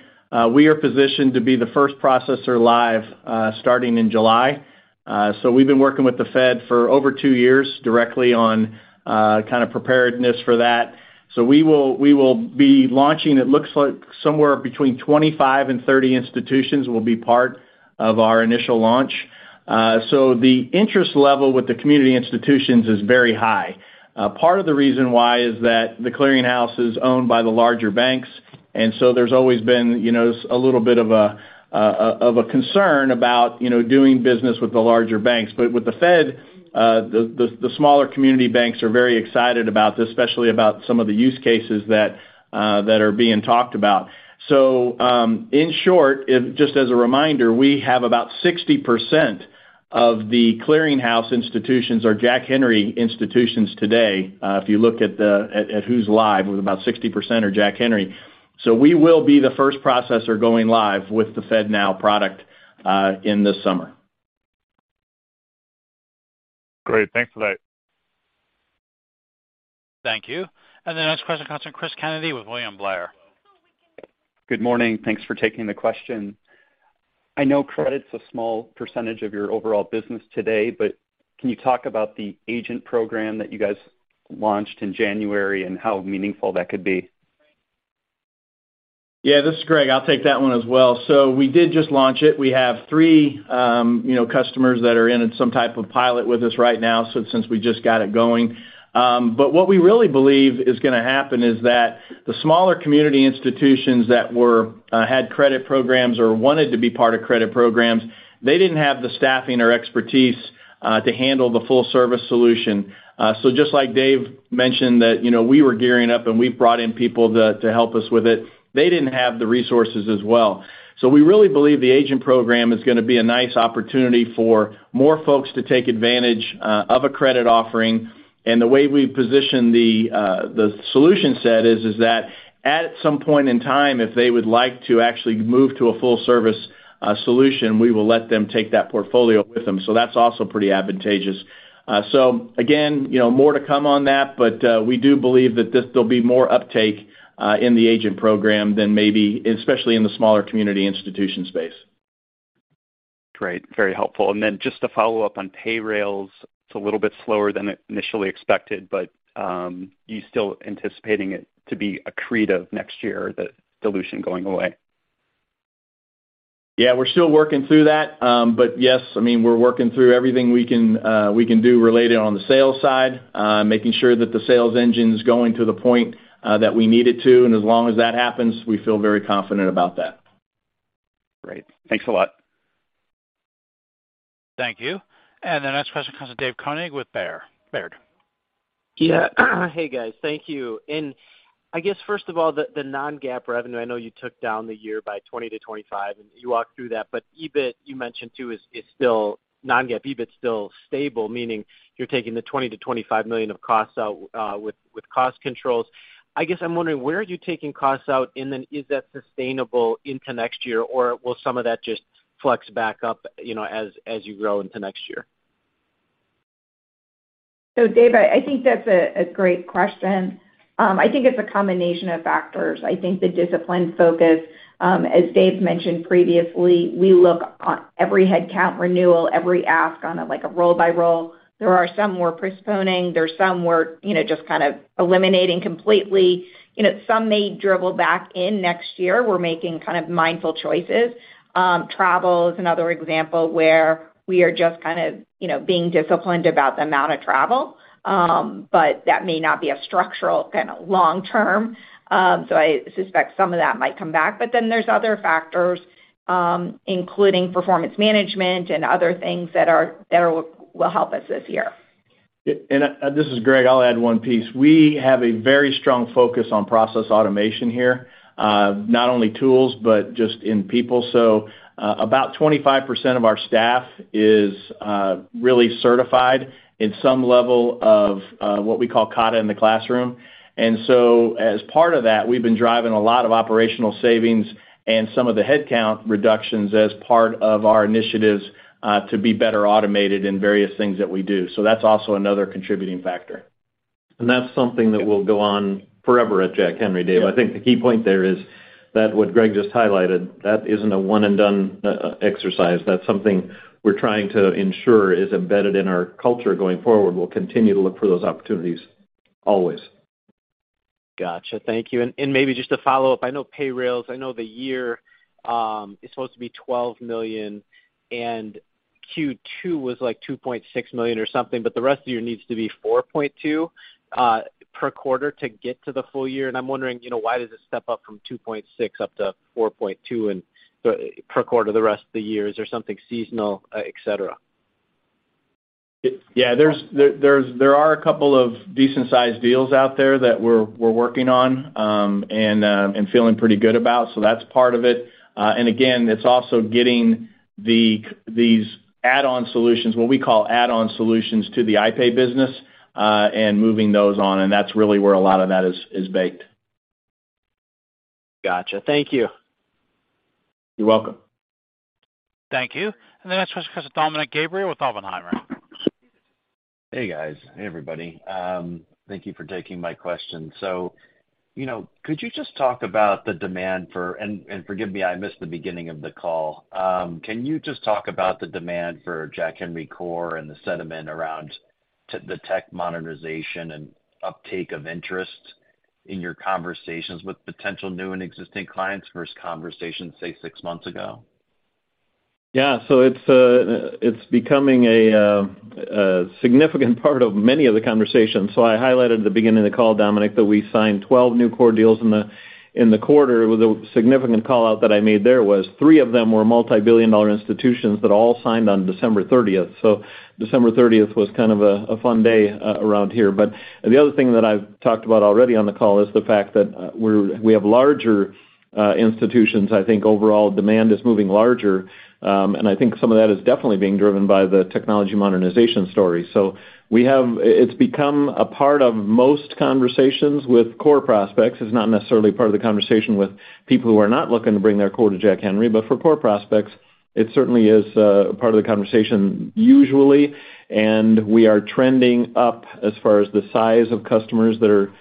we are positioned to be the first processor live, starting in July. We've been working with the Fed for over two years directly on kind of preparedness for that. We will, we will be launching, it looks like somewhere between 25 and 30 institutions will be part of our initial launch. The interest level with the community institutions is very high. Part of the reason why is that The Clearing House is owned by the larger banks, and there's always been, you know, a little bit of a concern about, you know, doing business with the larger banks. With the Fed, the smaller community banks are very excited about this, especially about some of the use cases that are being talked about. In short, just as a reminder, we have about 60% of the clearinghouse institutions are Jack Henry institutions today. If you look at who's live, about 60% are Jack Henry. We will be the first processor going live with the FedNow product in the summer. Great. Thanks for that. Thank you. The next question comes from Christopher Kennedy with William Blair. Good morning. Thanks for taking the question. I know credit's a small % of your overall business today, but can you talk about the agent program that you guys launched in January and how meaningful that could be? Yeah, this is Greg. I'll take that one as well. We did just launch it. We have 3, you know, customers that are in some type of pilot with us right now since we just got it going. What we really believe is gonna happen is that the smaller community institutions that were had credit programs or wanted to be part of credit programs, they didn't have the staffing or expertise to handle the full service solution. Just like Dave mentioned that, you know, we were gearing up and we brought in people to help us with it. They didn't have the resources as well. We really believe the agent program is gonna be a nice opportunity for more folks to take advantage of a credit offering. The way we position the solution set is that at some point in time, if they would like to actually move to a full service solution, we will let them take that portfolio with them. That's also pretty advantageous. Again, you know, more to come on that, but we do believe that there'll be more uptake in the agent program than maybe especially in the smaller community institution space. Great. Very helpful. Just to follow up on Payrailz, it's a little bit slower than initially expected, but you still anticipating it to be accretive next year, the dilution going away? Yeah, we're still working through that. Yes, I mean, we're working through everything we can, we can do related on the sales side, making sure that the sales engine's going to the point that we need it to. As long as that happens, we feel very confident about that. Great. Thanks a lot. Thank you. The next question comes from David Koning with Baird. Yeah. Hey, guys. Thank you. I guess, first of all, the non-GAAP revenue, I know you took down the year by 20-25, and you walked through that. EBIT, you mentioned too is still non-GAAP. EBIT is still stable, meaning you're taking the $20 million-$25 million of costs out with cost controls. I guess I'm wondering where are you taking costs out? Is that sustainable into next year, or will some of that just flex back up, you know, as you grow into next year? Dave, I think that's a great question. I think it's a combination of factors. I think the discipline focus, as Dave mentioned previously, we look on every headcount renewal, every ask on a, like a role by role. There are some we're postponing. There are some we're, you know, just kind of eliminating completely. You know, some may dribble back in next year. We're making kind of mindful choices. Travel is another example where we are just kind of, you know, being disciplined about the amount of travel. That may not be a structural kind of long term. I suspect some of that might come back. There's other factors, including performance management and other things that are will help us this year. This is Greg. I'll add one piece. We have a very strong focus on process automation here, not only tools, but just in people. About 25% of our staff is really certified in some level of what we call COTA in the classroom. As part of that, we've been driving a lot of operational savings and some of the headcount reductions as part of our initiatives to be better automated in various things that we do. That's also another contributing factor. That's something that will go on forever at Jack Henry, Dave. I think the key point there is that what Greg just highlighted, that isn't a one and done e-exercise. That's something we're trying to ensure is embedded in our culture going forward. We'll continue to look for those opportunities always. Gotcha. Thank you. Maybe just a follow-up. I know Payrailz, I know the year, is supposed to be $12 million, and Q2 was like $2.6 million or something, but the rest of the year needs to be $4.2 million per quarter to get to the full year. I'm wondering, you know, why does it step up from $2.6 million up to $4.2 million per quarter the rest of the year. Is there something seasonal, et cetera? Yeah. There are a couple of decent-sized deals out there that we're working on and feeling pretty good about. That's part of it. Again, it's also getting these add-on solutions, what we call add-on solutions to the iPay business, and moving those on, and that's really where a lot of that is baked. Gotcha. Thank you. You're welcome. Thank you. The next question comes from Dominick Gabriele with Oppenheimer. Hey, guys. Hey, everybody. Thank you for taking my question. You know, could you just talk about the demand for. Forgive me, I missed the beginning of the call. Can you just talk about the demand for Jack Henry Core and the sentiment around the tech modernization and uptake of interest in your conversations with potential new and existing clients versus conversations, say, six months ago? Yeah. It's becoming a significant part of many of the conversations. I highlighted at the beginning of the call, Dominic, that we signed 12 new core deals in the, in the quarter with a significant call-out that I made there was three of them were multi-billion dollar institutions that all signed on December 30th December 30th was kind of a fun day around here. The other thing that I've talked about already on the call is the fact that, we have larger institutions. I think overall demand is moving larger, and I think some of that is definitely being driven by the technology modernization story. It's become a part of most conversations with core prospects. It's not necessarily part of the conversation with people who are not looking to bring their core to Jack Henry. For core prospects, it certainly is part of the conversation usually. We are trending up as far as the size of customers that are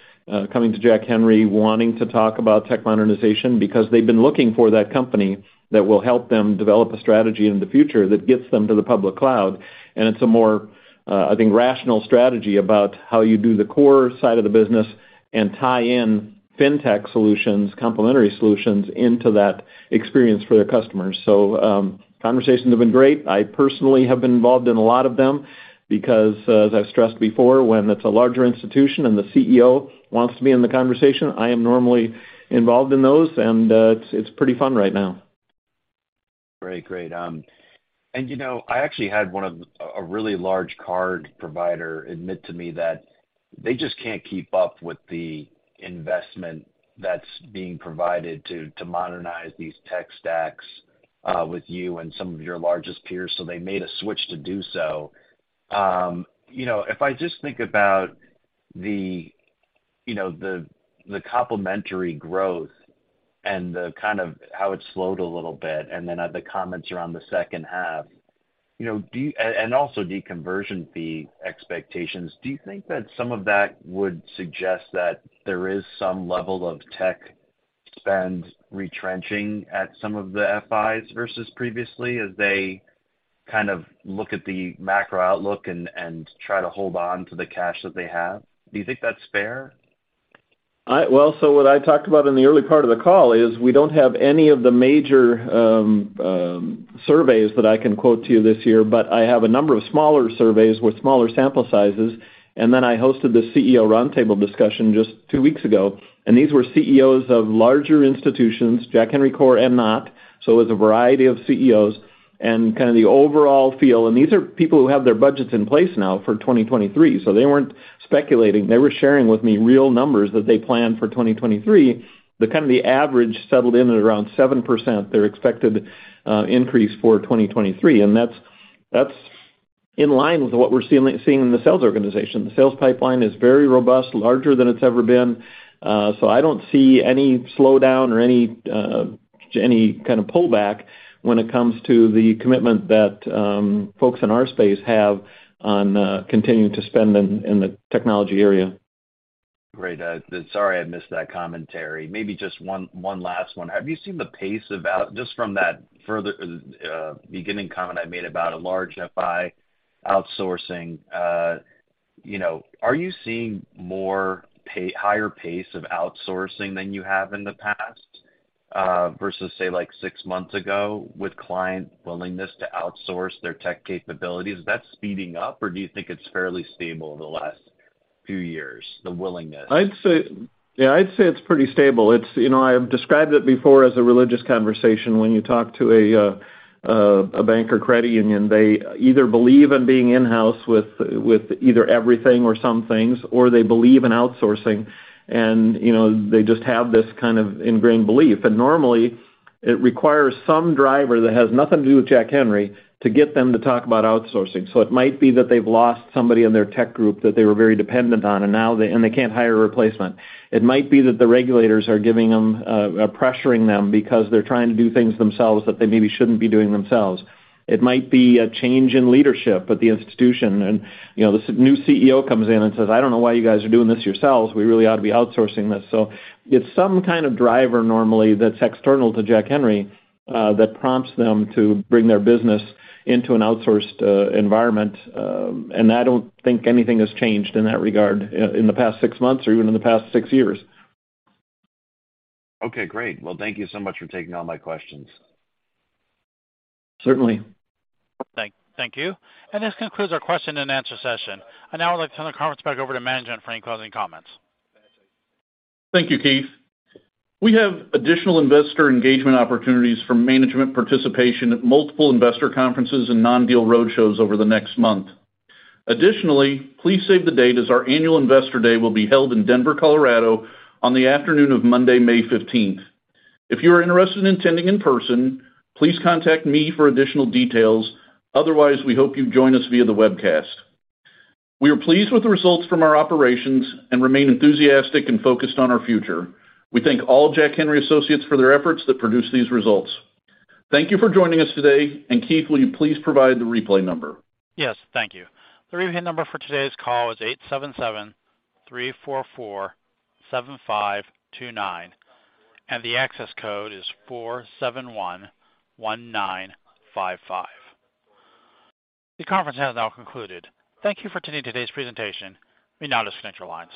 coming to Jack Henry wanting to talk about tech modernization because they've been looking for that company that will help them develop a strategy in the future that gets them to the public cloud. It's a more, I think, rational strategy about how you do the core side of the business and tie in fintech solutions, complementary solutions into that experience for their customers. Conversations have been great. I personally have been involved in a lot of them because as I've stressed before, when it's a larger institution and the CEO wants to be in the conversation, I am normally involved in those, and, it's pretty fun right now. Great. Great. And you know, I actually had one of... a really large card provider admit to me that they just can't keep up with the investment that's being provided to modernize these tech stacks, with you and some of your largest peers, so they made a switch to do so. You know, if I just think about the, you know, the complementary growth and the kind of how it slowed a little bit and then, the comments around the second half, you know, and also deconversion fee expectations, do you think that some of that would suggest that there is some level of tech spend retrenching at some of the FIs versus previously as they kind of look at the macro outlook and try to hold on to the cash that they have? Do you think that's fair? Well, what I talked about in the early part of the call is we don't have any of the major surveys that I can quote to you this year, but I have a number of smaller surveys with smaller sample sizes. Then I hosted the CEO roundtable discussion just two weeks ago. These were CEOs of larger institutions, Jack Henry core and not. It was a variety of CEOs and kind of the overall feel. These are people who have their budgets in place now for 2023, so they weren't speculating. They were sharing with me real numbers that they planned for 2023, but kind of the average settled in at around 7%, their expected increase for 2023. That's in line with what we're seeing in the sales organization. The sales pipeline is very robust, larger than it's ever been. I don't see any slowdown or any kind of pullback when it comes to the commitment that folks in our space have on continuing to spend in the technology area. Great. Sorry, I missed that commentary. Maybe just one last one. Have you seen the pace of Just from that further, beginning comment I made about a large FI outsourcing, you know, are you seeing more higher pace of outsourcing than you have in the past, versus say like six months ago with client willingness to outsource their tech capabilities? Is that speeding up, or do you think it's fairly stable the last few years, the willingness I'd say, Yeah, I'd say it's pretty stable. It's, you know, I've described it before as a religious conversation. When you talk to a bank or credit union, they either believe in being in-house with either everything or some things, or they believe in outsourcing. You know, they just have this kind of ingrained belief. Normally, it requires some driver that has nothing to do with Jack Henry to get them to talk about outsourcing. It might be that they've lost somebody in their tech group that they were very dependent on, and now they can't hire a replacement. It might be that the regulators are giving them, are pressuring them because they're trying to do things themselves that they maybe shouldn't be doing themselves. It might be a change in leadership at the institution and, you know, this new CEO comes in and says, "I don't know why you guys are doing this yourselves. We really ought to be outsourcing this." It's some kind of driver normally that's external to Jack Henry that prompts them to bring their business into an outsourced environment. I don't think anything has changed in that regard in the past six months or even in the past six years. Okay, great. Well, thank you so much for taking all my questions. Certainly. Thank you. This concludes our question-and-answer session. I now would like to turn the conference back over to management for any closing comments. Thank you, Keith. We have additional investor engagement opportunities for management participation at multiple investor conferences and non-deal roadshows over the next month. Additionally, please save the date as our annual investor day will be held in Denver, Colorado on the afternoon of Monday, May 15th. If you are interested in attending in person, please contact me for additional details. Otherwise, we hope you join us via the webcast. We are pleased with the results from our operations and remain enthusiastic and focused on our future. We thank all Jack Henry associates for their efforts that produce these results. Thank you for joining us today. Keith, will you please provide the replay number? Yes, thank you. The replay number for today's call is 877-344-7529, and the access code is 4711955. The conference has now concluded. Thank you for attending today's presentation. We now disconnect your lines.